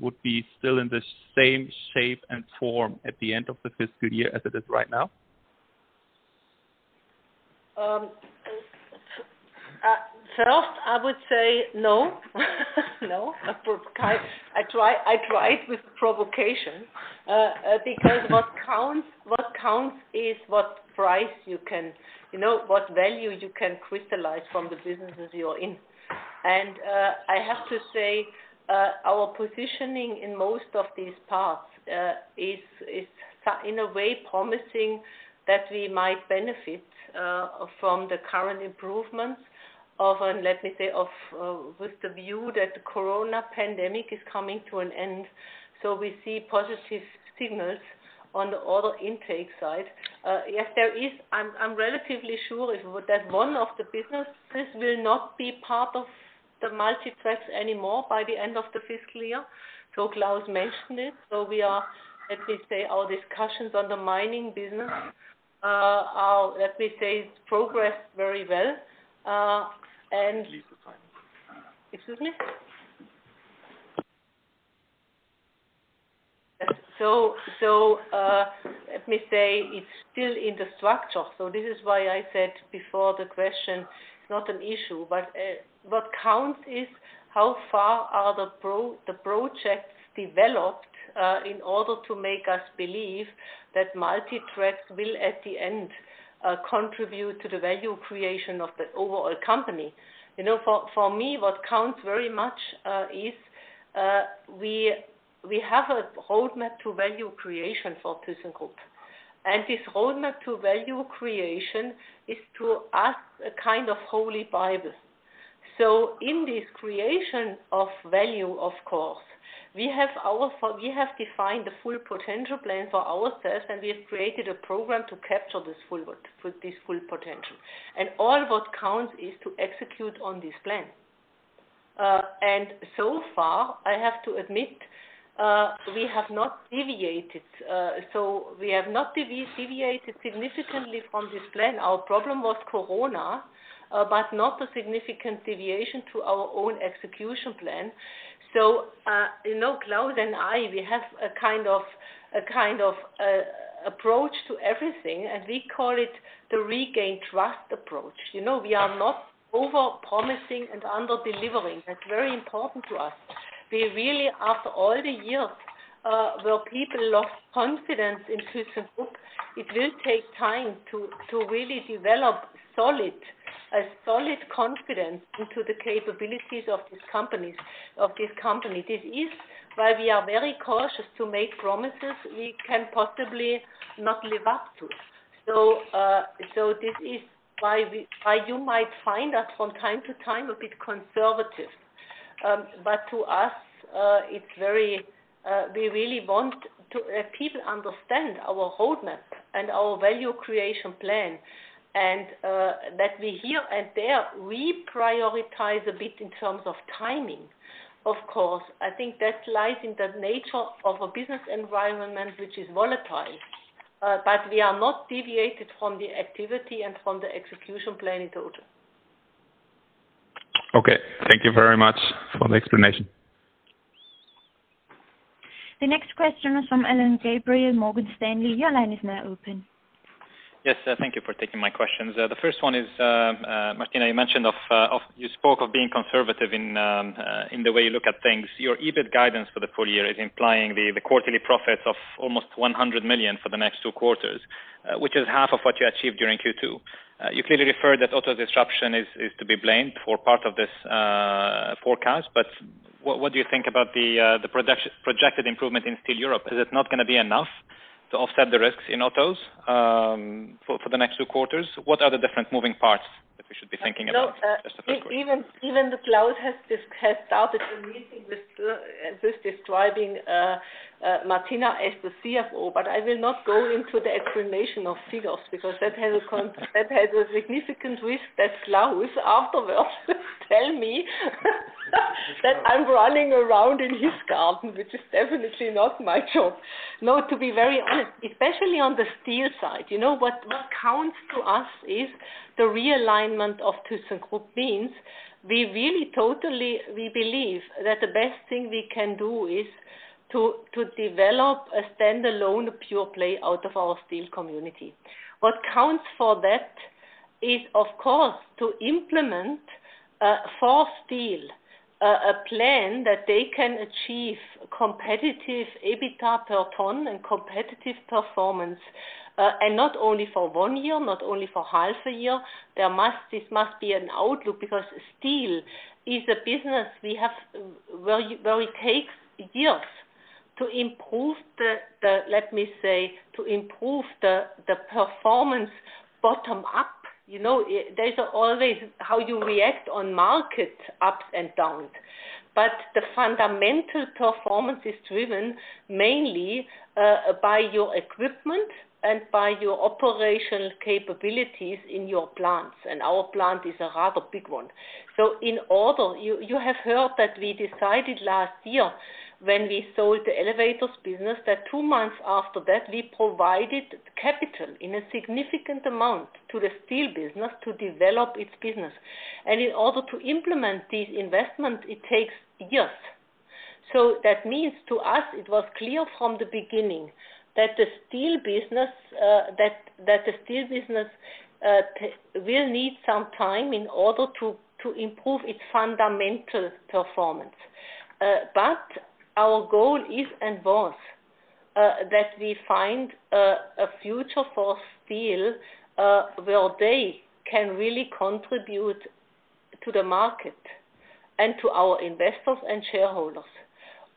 would be still in the same shape and form at the end of the fiscal year as it is right now? First, I would say no. I try it with provocation. Because what counts is what price you can, what value you can crystallize from the businesses you're in. I have to say, our positioning in most of these parts is in a way promising that we might benefit from the current improvements of, and let me say, with the view that the coronavirus pandemic is coming to an end. We see positive signals on the order intake side. Yes, there is. I'm relatively sure that one of the businesses will not be part of the Multi Tracks anymore by the end of the fiscal year. Klaus mentioned it. We are, let me say, our discussions on Mining Technologies, let me say, it's progressed very well. Please define. Excuse me. Let me say, it's still in the structure. This is why I said before the question, it's not an issue, but what counts is how far are the projects developed, in order to make us believe that Multi Tracks will at the end contribute to the value creation of the overall company. For me, what counts very much is, we have a roadmap to value creation for thyssenkrupp. This roadmap to value creation is to us a kind of Holy Bible. In this creation of value, of course, we have defined the full potential plan for ourselves, and we have created a program to capture this full potential. All what counts is to execute on this plan. So far, I have to admit, we have not deviated. We have not deviated significantly from this plan. Our problem was COVID-19, but not a significant deviation to our own execution plan. Klaus and I, we have a kind of approach to everything, and we call it the regain trust approach. We are not over-promising and under-delivering. That's very important to us. We really, after all the years, where people lost confidence in thyssenkrupp, it will take time to really develop a solid confidence into the capabilities of this company. This is why we are very cautious to make promises we can possibly not live up to. This is why you might find us from time to time a bit conservative. To us, we really want people understand our roadmap and our value creation plan, and that we here and there reprioritize a bit in terms of timing. Of course, I think that lies in the nature of a business environment which is volatile. We are not deviated from the activity and from the execution plan in total. Okay. Thank you very much for the explanation. The next question is from Alain Gabriel, Morgan Stanley. Your line is now open. Yes. Thank you for taking my questions. The first one is, Martina, you spoke of being conservative in the way you look at things. Your EBITDA guidance for the full year is implying the quarterly profits of almost 100 million for the next two quarters, which is half of what you achieved during Q2. You clearly refer that auto disruption is to be blamed for part of this forecast. What do you think about the projected improvement in Steel Europe? Is it not going to be enough to offset the risks in autos for the next two quarters? What are the different moving parts that we should be thinking about? That's the first question. Even Claus has started the meeting with describing Martina as the CFO. I will not go into the explanation of figures because that has a significant risk that Klaus afterwards will tell me that I'm running around in his garden, which is definitely not my job. No, to be very honest, especially on the steel side, what counts to us is the realignment of thyssenkrupp means we really totally believe that the best thing we can do is to develop a standalone pure play out of our steel community. What counts for that is, of course, to implement, for steel, a plan that they can achieve competitive EBITDA per ton and competitive performance. Not only for one year, not only for half a year. This must be an outlook, because steel is a business where it takes years to improve the performance bottom up. There's always how you react on market ups and downs. The fundamental performance is driven mainly by your equipment and by your operational capabilities in your plants, and our plant is a rather big one. In order, you have heard that we decided last year when we sold the elevators business, that two months after that, we provided capital in a significant amount to the steel business to develop its business. In order to implement these investments, it takes years. That means, to us, it was clear from the beginning that the steel business will need some time in order to improve its fundamental performance. Our goal is and was that we find a future for steel, where they can really contribute to the market and to our investors and shareholders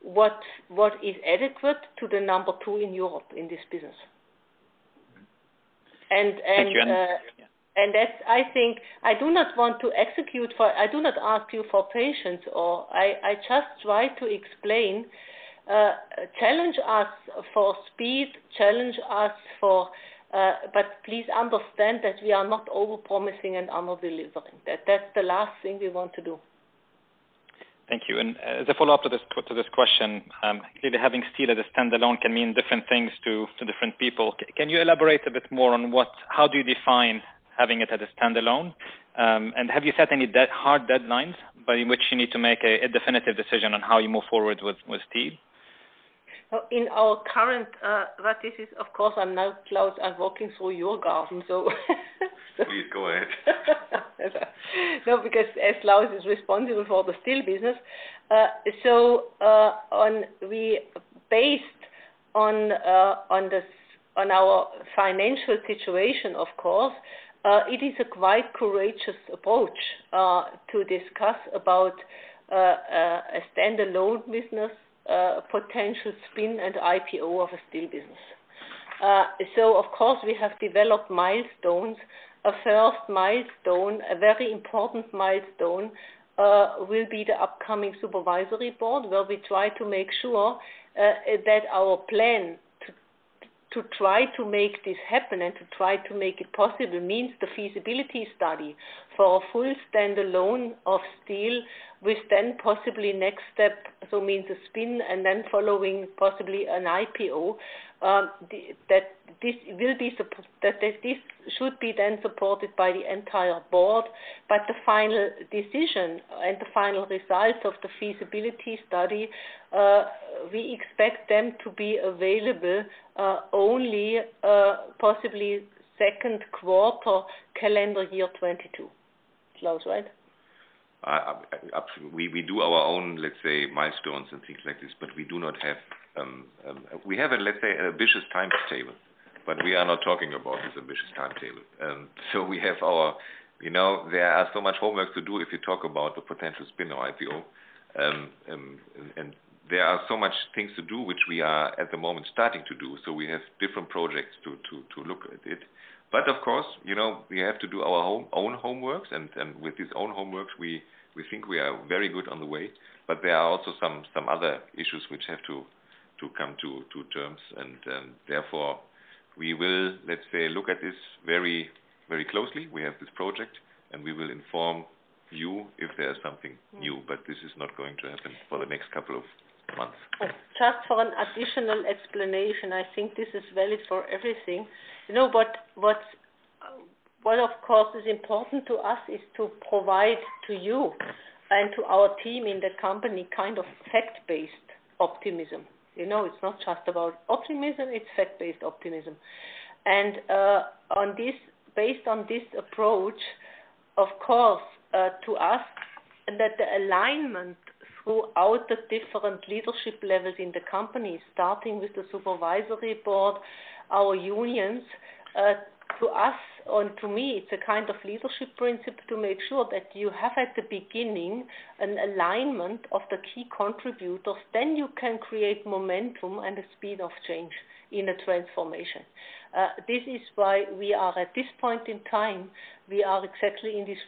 what is adequate to the number two in Europe in this business. Thank you. That's, I think, I do not ask you for patience, or I just try to explain, challenge us for speed, but please understand that we are not over-promising and under-delivering. That's the last thing we want to do. Thank you. As a follow-up to this question, clearly having steel as a standalone can mean different things to different people. Can you elaborate a bit more on how do you define having it as a standalone? Have you set any hard deadlines by which you need to make a definitive decision on how you move forward with steel? In our current strategies, of course, and now Klaus I'm walking through your garden, so. Please go ahead. As Klaus is responsible for the steel business. Based on our financial situation, of course, it is a quite courageous approach, to discuss about a standalone business, a potential spin, and IPO of a steel business. Of course, we have developed milestones. A first milestone, a very important milestone, will be the upcoming supervisory board, where we try to make sure that our plan to try to make this happen and to try to make it possible means the feasibility study for a full standalone of steel, which then possibly next step means a spin, and then following possibly an IPO. This should be then supported by the entire board. The final decision and the final result of the feasibility study, we expect them to be available only possibly second quarter calendar year 2022. Klaus, right? We do our own, let's say, milestones and things like this, but we have, let's say, an ambitious timetable, but we are not talking about this ambitious timetable. There is so much homework to do if you talk about the potential spin or IPO. There are so much things to do, which we are at the moment starting to do. We have different projects to look at it. Of course, we have to do our own homework. With this own homework, we think we are very good on the way, but there are also some other issues which have to come to terms. Therefore, we will, let's say, look at this very closely. We have this project, and we will inform you if there is something new, but this is not going to happen for the next couple of months. Just for an additional explanation, I think this is valid for everything. What, of course, is important to us is to provide to you and to our team in the company fact-based optimism. It's not just about optimism, it's fact-based optimism. Based on this approach, of course, to us that the alignment throughout the different leadership levels in the company, starting with the supervisory board, our unions, to us or to me, it's a kind of leadership principle to make sure that you have at the beginning an alignment of the key contributors, then you can create momentum and a speed of change in a transformation. This is why we are, at this point in time, we are exactly in this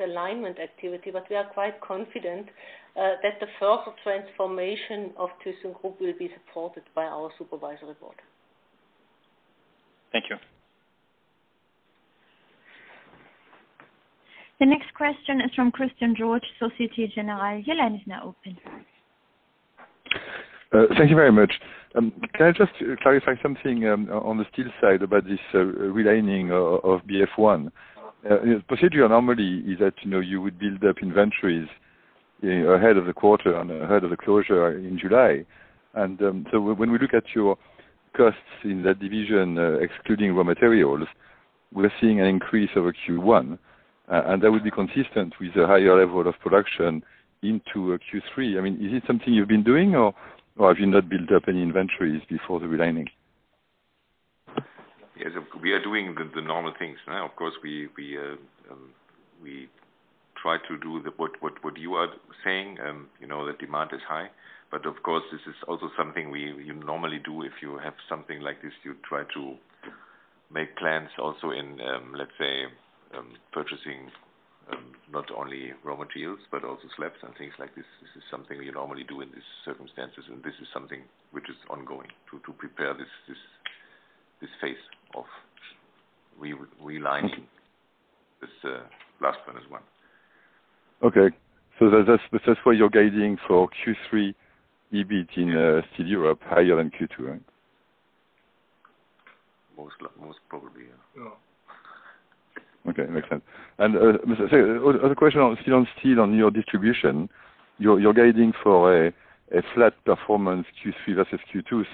alignment activity, but we are quite confident that the further transformation of thyssenkrupp will be supported by our supervisory board. Thank you. The next question is from Christian Georges, Societe Generale. Your line is now open. Thank you very much. Can I just clarify something on the steel side about this relining of BF1? Particularly, normally is that you would build up inventories ahead of the quarter and ahead of the closure in July. When we look at your costs in that division, excluding raw materials, we're seeing an increase over Q1, and that would be consistent with the higher level of production into Q3. Is it something you've been doing, or have you not built up any inventories before the relining? Yes, we are doing the normal things now. Of course, we try to do what you are saying, and the demand is high. Of course, this is also something we normally do. If you have something like this, you try to make plans also in, let's say, purchasing, not only raw materials, but also scraps and things like this. This is something we normally do in these circumstances, and this is something which is ongoing to prepare this phase of relining this last one as well. Okay. That's why you're guiding for Q3, EBITDA, steel up higher than Q2? Most probably. Yeah. Okay, makes sense. A question on steel and your distribution. You're guiding for a flat performance Q3 versus Q2.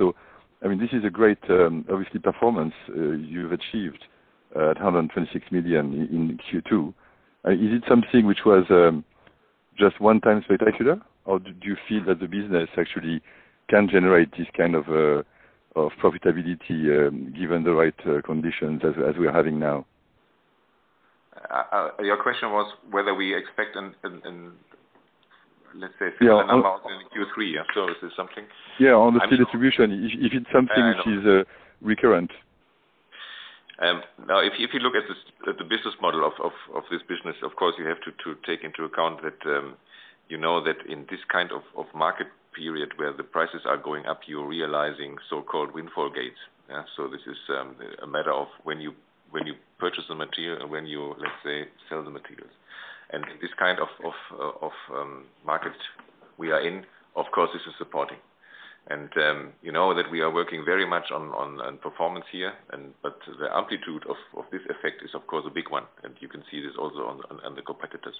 This is a great, obviously, performance you've achieved at 126 million in Q2. Is it something which was just one time spectacular, or do you feel that the business actually can generate this kind of profitability given the right conditions as we're having now? Your question was whether we expect in, let's say. Yeah. Q3, is it? On the steel distribution. If it's something which is recurrent. If you look at the business model of this business, of course, you have to take into account that in this kind of market period where the prices are going up, you're realizing so-called windfall gains. This is a matter of when you purchase the material and when you, let's say, sell the materials. This kind of market we are in, of course, this is supporting. You know that we are working very much on performance here, but the amplitude of this effect is, of course, a big one, and you can see this also on the competitors.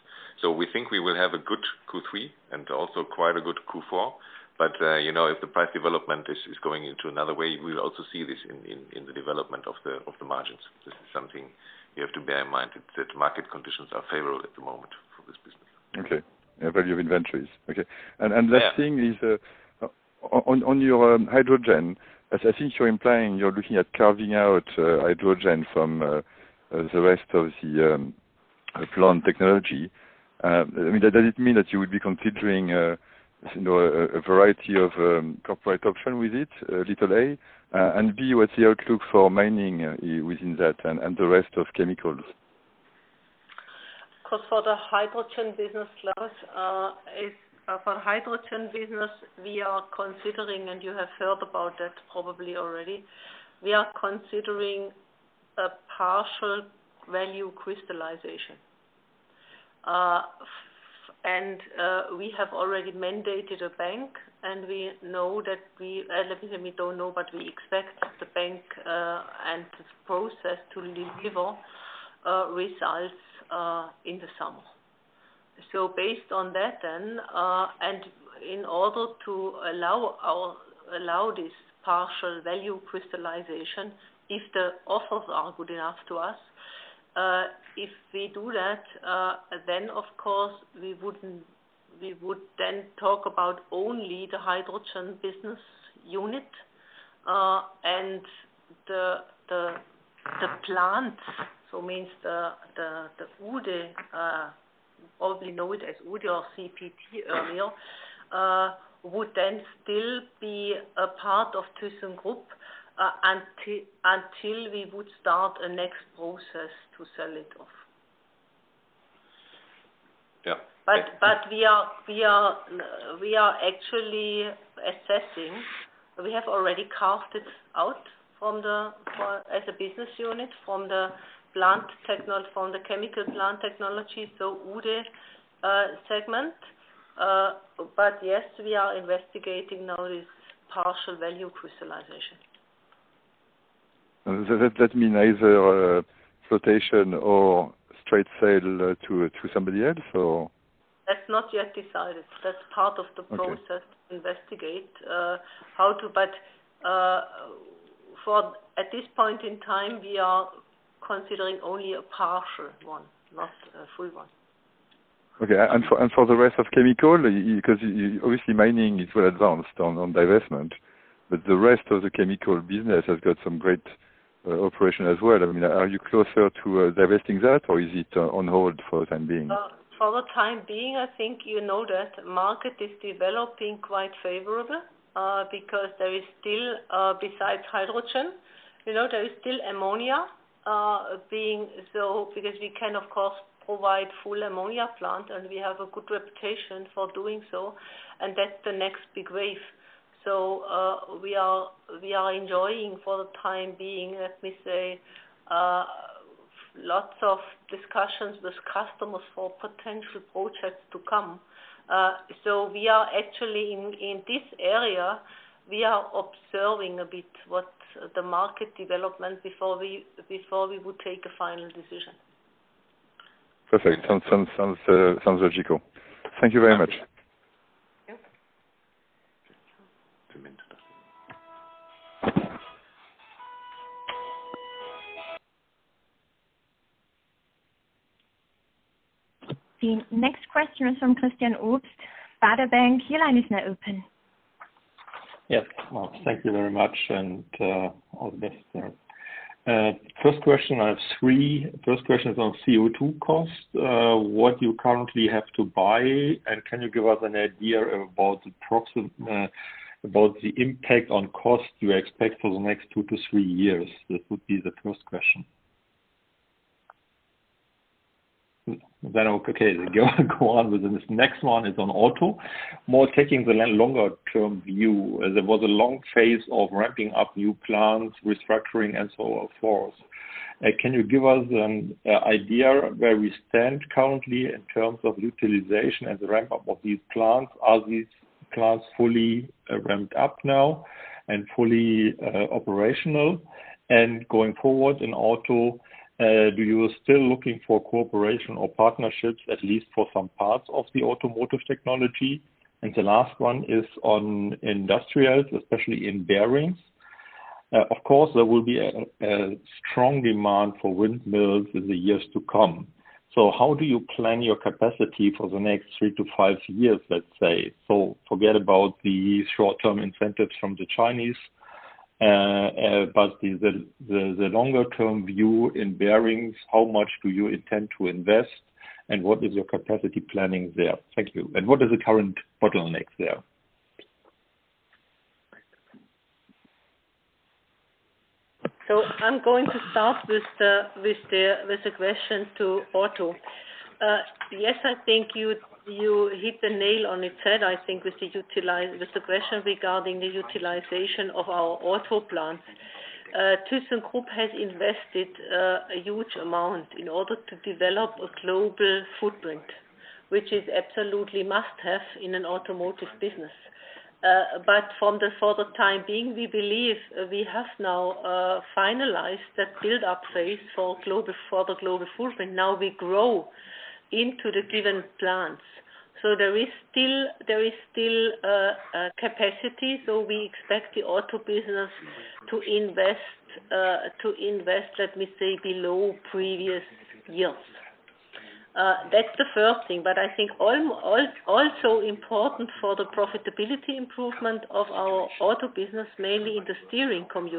We think we will have a good Q3 and also quite a good Q4. If the price development is going into another way, we'll also see this in the development of the margins. This is something you have to bear in mind, that market conditions are favorable at the moment for this business. Okay. Value of inventories. Okay. Yeah. Last thing is on your hydrogen, as I think you're implying you're looking at carving out hydrogen from the rest of the plant technology. Does it mean that you will be considering a variety of corporate option with it, letter A? B, what's the outlook for mining within that and the rest of chemicals? For the hydrogen business, Lars, we are considering, and you have heard about that probably already. We are considering a partial value crystallization. We have already mandated a bank, we expect that the bank and this process to deliver results in the summer. Based on that then, and in order to allow this partial value crystallization, if the offers are good enough to us, if we do that, then of course, we would then talk about only the hydrogen business unit, and the plant, so means the Uhde, or we know it as Uhde or CPT earlier, would then still be a part of thyssenkrupp, until we would start a next process to sell it off. Yeah. We are actually assessing. We have already carved it out as a business unit from the chemical plant technology, so Uhde segment. Yes, we are investigating now this partial value crystallization. Does that mean either flotation or straight sale to somebody else? That's not yet decided. That's part of the process to investigate. At this point in time, we are considering only a partial one, not a full one. Okay. For the rest of chemical, because obviously Mining is well advanced on divestment, but the rest of the chemical business has got some great operation as well. Are you closer to divesting that or is it on hold for the time being? For the time being, I think you know that market is developing quite favorable, because there is still, besides hydrogen, there is still ammonia. Because we can, of course, provide full ammonia plant, and we have a good reputation for doing so, and that's the next big wave. We are enjoying for the time being, let me say, lots of discussions with customers for potential projects to come. We are actually in this area, we are observing a bit what the market development before we would take a final decision. Perfect. Sounds logical. Thank you very much. Yep. The next question is from Christian Obst, Baader Bank. Your line is now open. Yes. Thank you very much and all the best. First question, I have three. First question is on CO2 cost, what you currently have to buy, and can you give us an idea about the impact on cost you expect for the next two to three years? That would be the first question. Okay, go on with the next one is on auto, more taking the longer term view. There was a long phase of ramping up new plants, restructuring and so on and forth. Can you give us an idea where we stand currently in terms of utilization and the ramp-up of these plants? Are these plants fully ramped up now and fully operational? Going forward in auto, do you still looking for cooperation or partnerships, at least for some parts of the Automotive Technology? The last one is on industrials, especially in bearings. Of course, there will be a strong demand for windmills in the years to come. How do you plan your capacity for the next three to five years, let's say? Forget about the short-term incentives from the Chinese, but the longer-term view in bearings, how much do you intend to invest and what is your capacity planning there? Thank you. What is the current bottleneck there? I'm going to start with the question to Auto. Yes, you hit the nail on its head, with the question regarding the utilization of our Auto plant. thyssenkrupp has invested a huge amount in order to develop a global footprint, which is absolutely must-have in an automotive business. For the time being, we believe we have now finalized that build-up phase for the global footprint. We grow into the given plants. There is still capacity. We expect the Auto business to invest, let me say, below previous years. That's the first thing, but also important for the profitability improvement of our Auto business, mainly in the steering knuckles.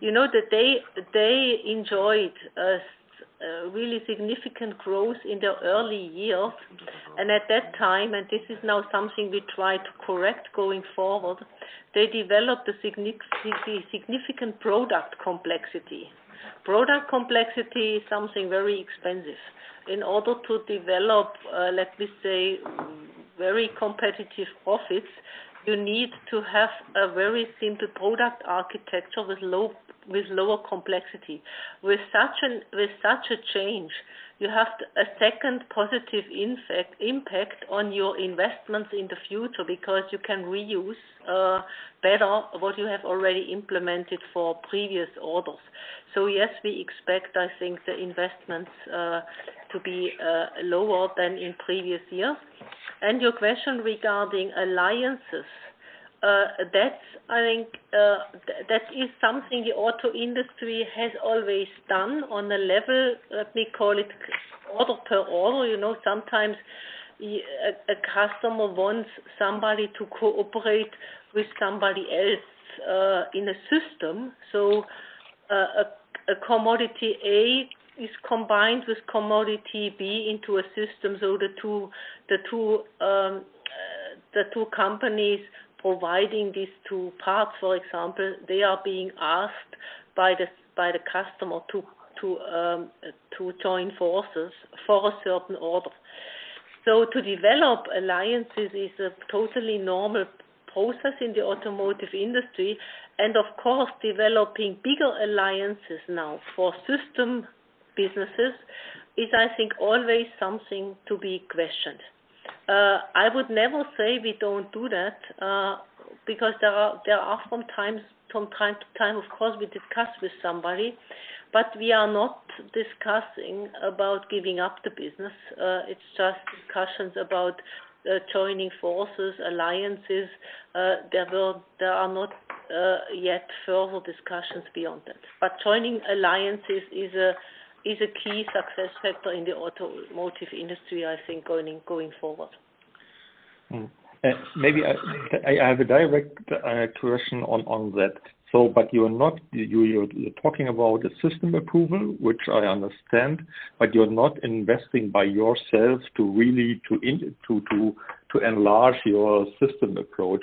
You know that they enjoyed a really significant growth in their early years. At that time, and this is now something we try to correct going forward, they developed a significant product complexity. Product complexity is something very expensive. In order to develop, let me say, very competitive offer, you need to have a very simple product architecture with lower complexity. With such a change, you have a second positive impact on your investments in the future because you can reuse better what you have already implemented for previous orders. Yes, we expect, I think the investments to be lower than in previous years. Your question regarding alliances. That is something the auto industry has always done on a level, let me call it, order per order. Sometimes a customer wants somebody to cooperate with somebody else in a system. A commodity A is combined with commodity B into a system. The two companies providing these two parts, for example, they are being asked by the customer to join forces for a certain order. To develop alliances is a totally normal process in the automotive industry, and of course, developing bigger alliances now for system businesses is, I think, always something to be questioned. I would never say we don't do that, because there are from time to time, of course, we discuss with somebody, but we are not discussing about giving up the business. It's just discussions about joining forces, alliances. There are not yet formal discussions beyond that. Joining alliances is a key success factor in the automotive industry, I think, going forward. Maybe I have a direct question on that. You're talking about a system approval, which I understand, but you're not investing by yourself to really enlarge your system approach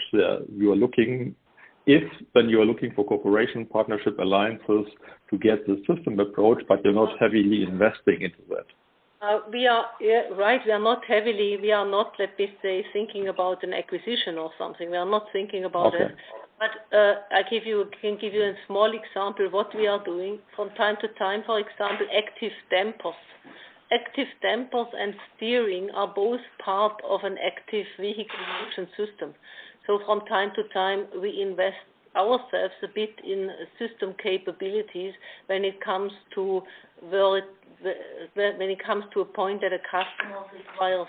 there. When you're looking for cooperation, partnership, alliances to get the system approach, but you're not heavily investing into that. Right. We are not, let me say, thinking about an acquisition or something. We are not thinking about that. Okay. I can give you a small example, what we are doing from time to time, for example, active dampers. Active dampers and steering are both part of an active vehicle motion system. From time to time, we invest ourselves a bit in system capabilities when it comes to a point that a customer requires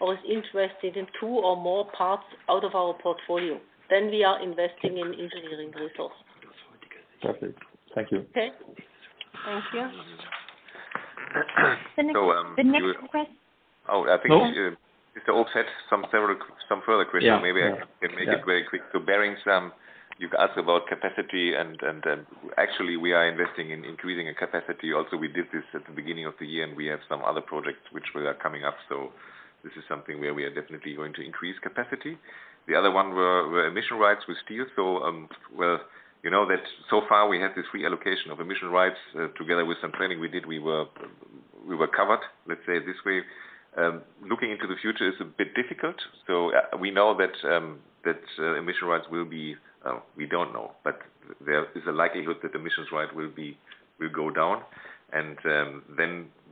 or is interested in two or more parts out of our portfolio, then we are investing in engineering kudos. Perfect. Thank you. Okay. Thank you. The next question. Oh, I think to offset some further questions. Yeah. Maybe very quick to Bastian Synagowitz, you've asked about capacity. Actually we are investing in increasing capacity also. We did this at the beginning of the year. We have some other projects which are coming up. This is something where we are definitely going to increase capacity. The other one were emission rights with steel. So far we had this free allocation of emission rights. Together with some planning we did, we were covered, let's say, this way. Looking into the future is a bit difficult. We don't know, but there is a likelihood that emission rights will go down.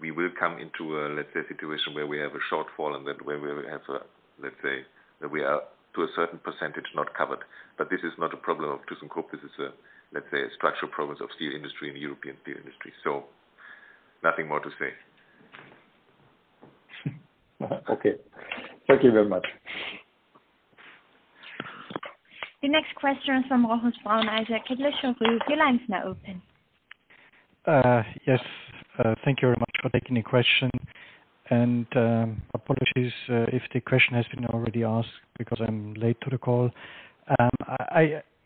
We will come into a, let's say, situation where we have a shortfall where we have a, let's say, where we are to a certain % not covered. This is not a problem of thyssenkrupp. This is a, let's say, structural problem of steel industry in European steel industry. Nothing more to say. Okay. Thank you very much. The next question is from Roland Brandner, Equita Group. Your line is now open. Yes. Thank you very much for taking the question. Apologies if the question has been already asked because I'm late to the call.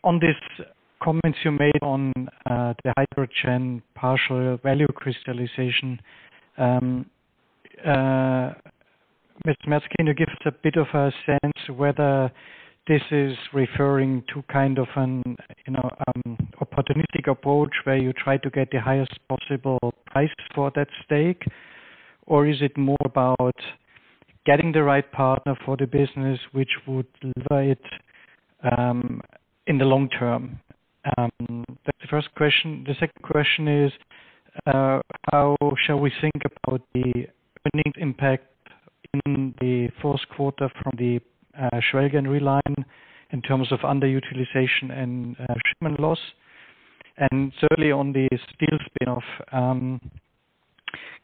On these comments you made on the hydrogen partial value crystallization. Martina, can you give us a bit of a sense whether this is referring to kind of an opportunistic approach where you try to get the highest possible price for that stake, or is it more about getting the right partner for the business which would deliver it in the long term? That's the first question. The second question is, how shall we think about the earnings impact in the first quarter from the Schwelgern reline in terms of underutilization and shipment loss? Thirdly, on the steel spin-off,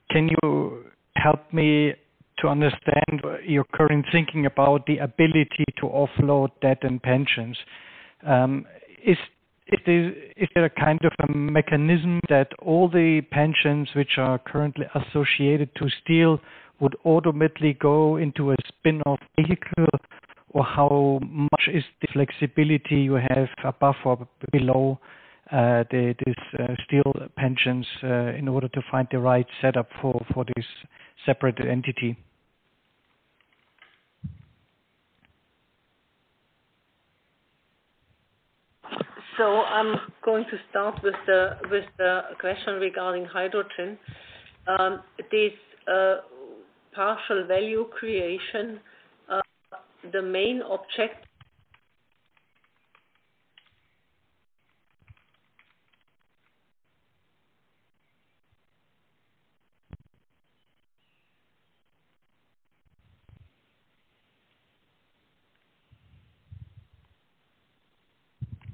can you help me to understand your current thinking about the ability to offload debt and pensions? Is there a kind of a mechanism that all the pensions which are currently associated to steel would automatically go into a spin-off vehicle? Or how much is the flexibility you have above or below these steel pensions in order to find the right setup for this separate entity? I'm going to start with the question regarding hydrogen. This partial value creation.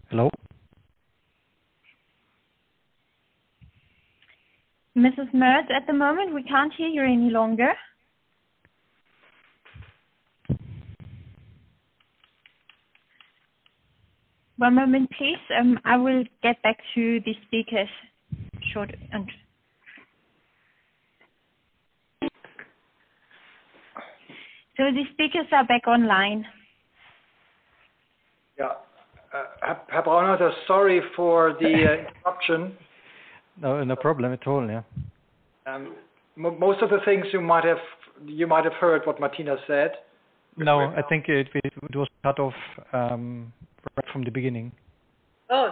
Hello? Mrs. Merz, at the moment, we can't hear you any longer. One moment, please, I will get back to the speakers shortly. The speakers are back online. Yeah. Roland, sorry for the interruption. No, no problem at all, yeah. Most of the things you might have heard what Martina said. No, I think it was cut off right from the beginning.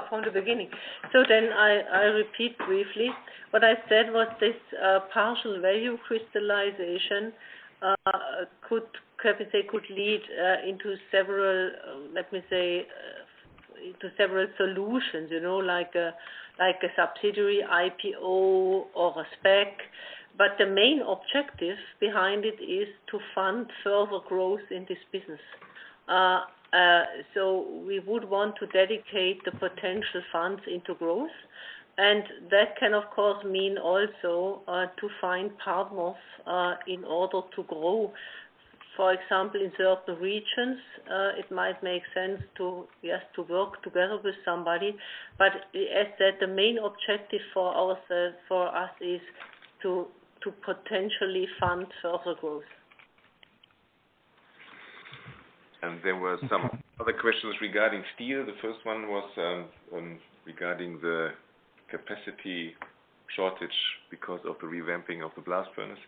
From the beginning. I repeat briefly. What I said was this partial value crystallization could lead into several solutions, like a subsidiary IPO or a SPAC. The main objective behind it is to fund further growth in this business. We would want to dedicate the potential funds into growth, and that can, of course, mean also to find partners in order to grow. For example, in certain regions, it might make sense to, yes, to work together with somebody. As said, the main objective for us is to potentially fund further growth. There were some other questions regarding steel. The first one was on regarding the capacity shortage because of the revamping of the blast furnace.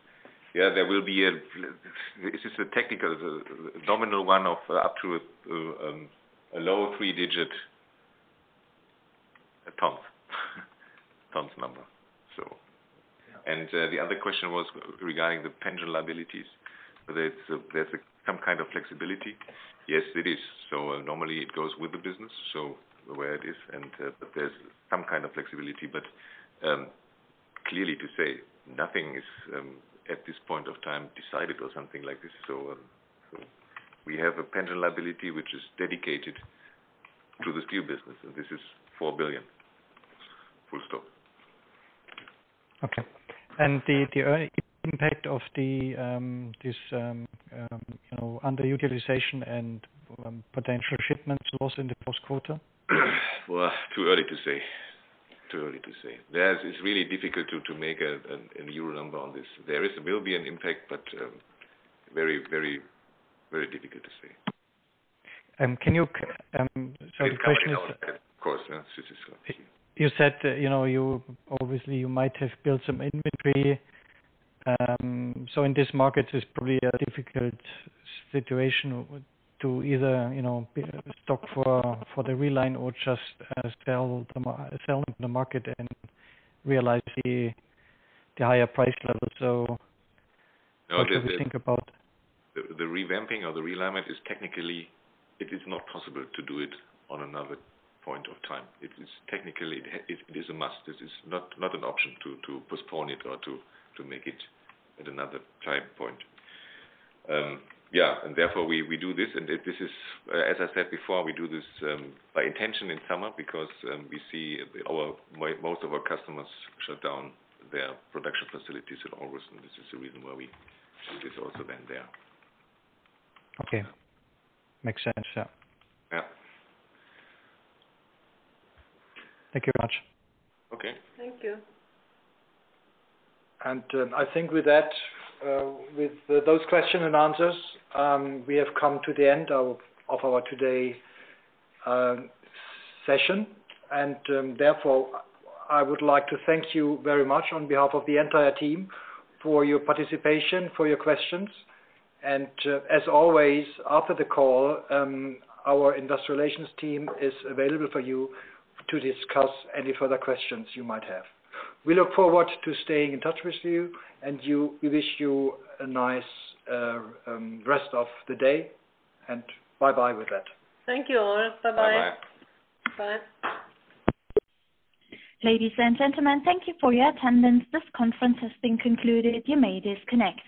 Yeah, this is a technical, nominal one of up to a low three digit tons number. Yeah. The other question was regarding the pension liabilities. There's some kind of flexibility. Yes, it is. Normally it goes with the business, so the way it is, and but there's some kind of flexibility. Clearly to say, nothing is, at this point of time, decided or something like this. We have a pension liability, which is dedicated to the steel business, and this is 4 billion. Full stop. Okay. The impact of this underutilization and potential shipment loss in the first quarter? Well, too early to say. It's really difficult to make an EUR number on this. There will be an impact, but very difficult to say. Sorry, a question is. Of course. Yeah. You said, obviously you might have built some inventory. In this market, it's probably a difficult situation to either build a stock for the reline or just sell into the market and realize the higher price level. The revamping or the realignment, technically, it is not possible to do it on another point of time. Technically, it is a must. This is not an option to postpone it or to make it at another time point. Yeah. Therefore, we do this, and as I said before, we do this by intention in summer because we see most of our customers shut down their production facilities in August, and this is the reason why we do this also then there. Okay. Makes sense. Yeah. Yeah. Thank you very much. Okay. Thank you. I think with those question and answers, we have come to the end of our today session. Therefore, I would like to thank you very much on behalf of the entire team, for your participation, for your questions. As always, after the call, our Investor Relations team is available for you to discuss any further questions you might have. We look forward to staying in touch with you. We wish you a nice rest of the day, and bye-bye with that. Thank you all. Bye-bye. Bye-bye. Bye. Ladies and gentlemen, thank you for your attendance. This conference has been concluded. You may disconnect.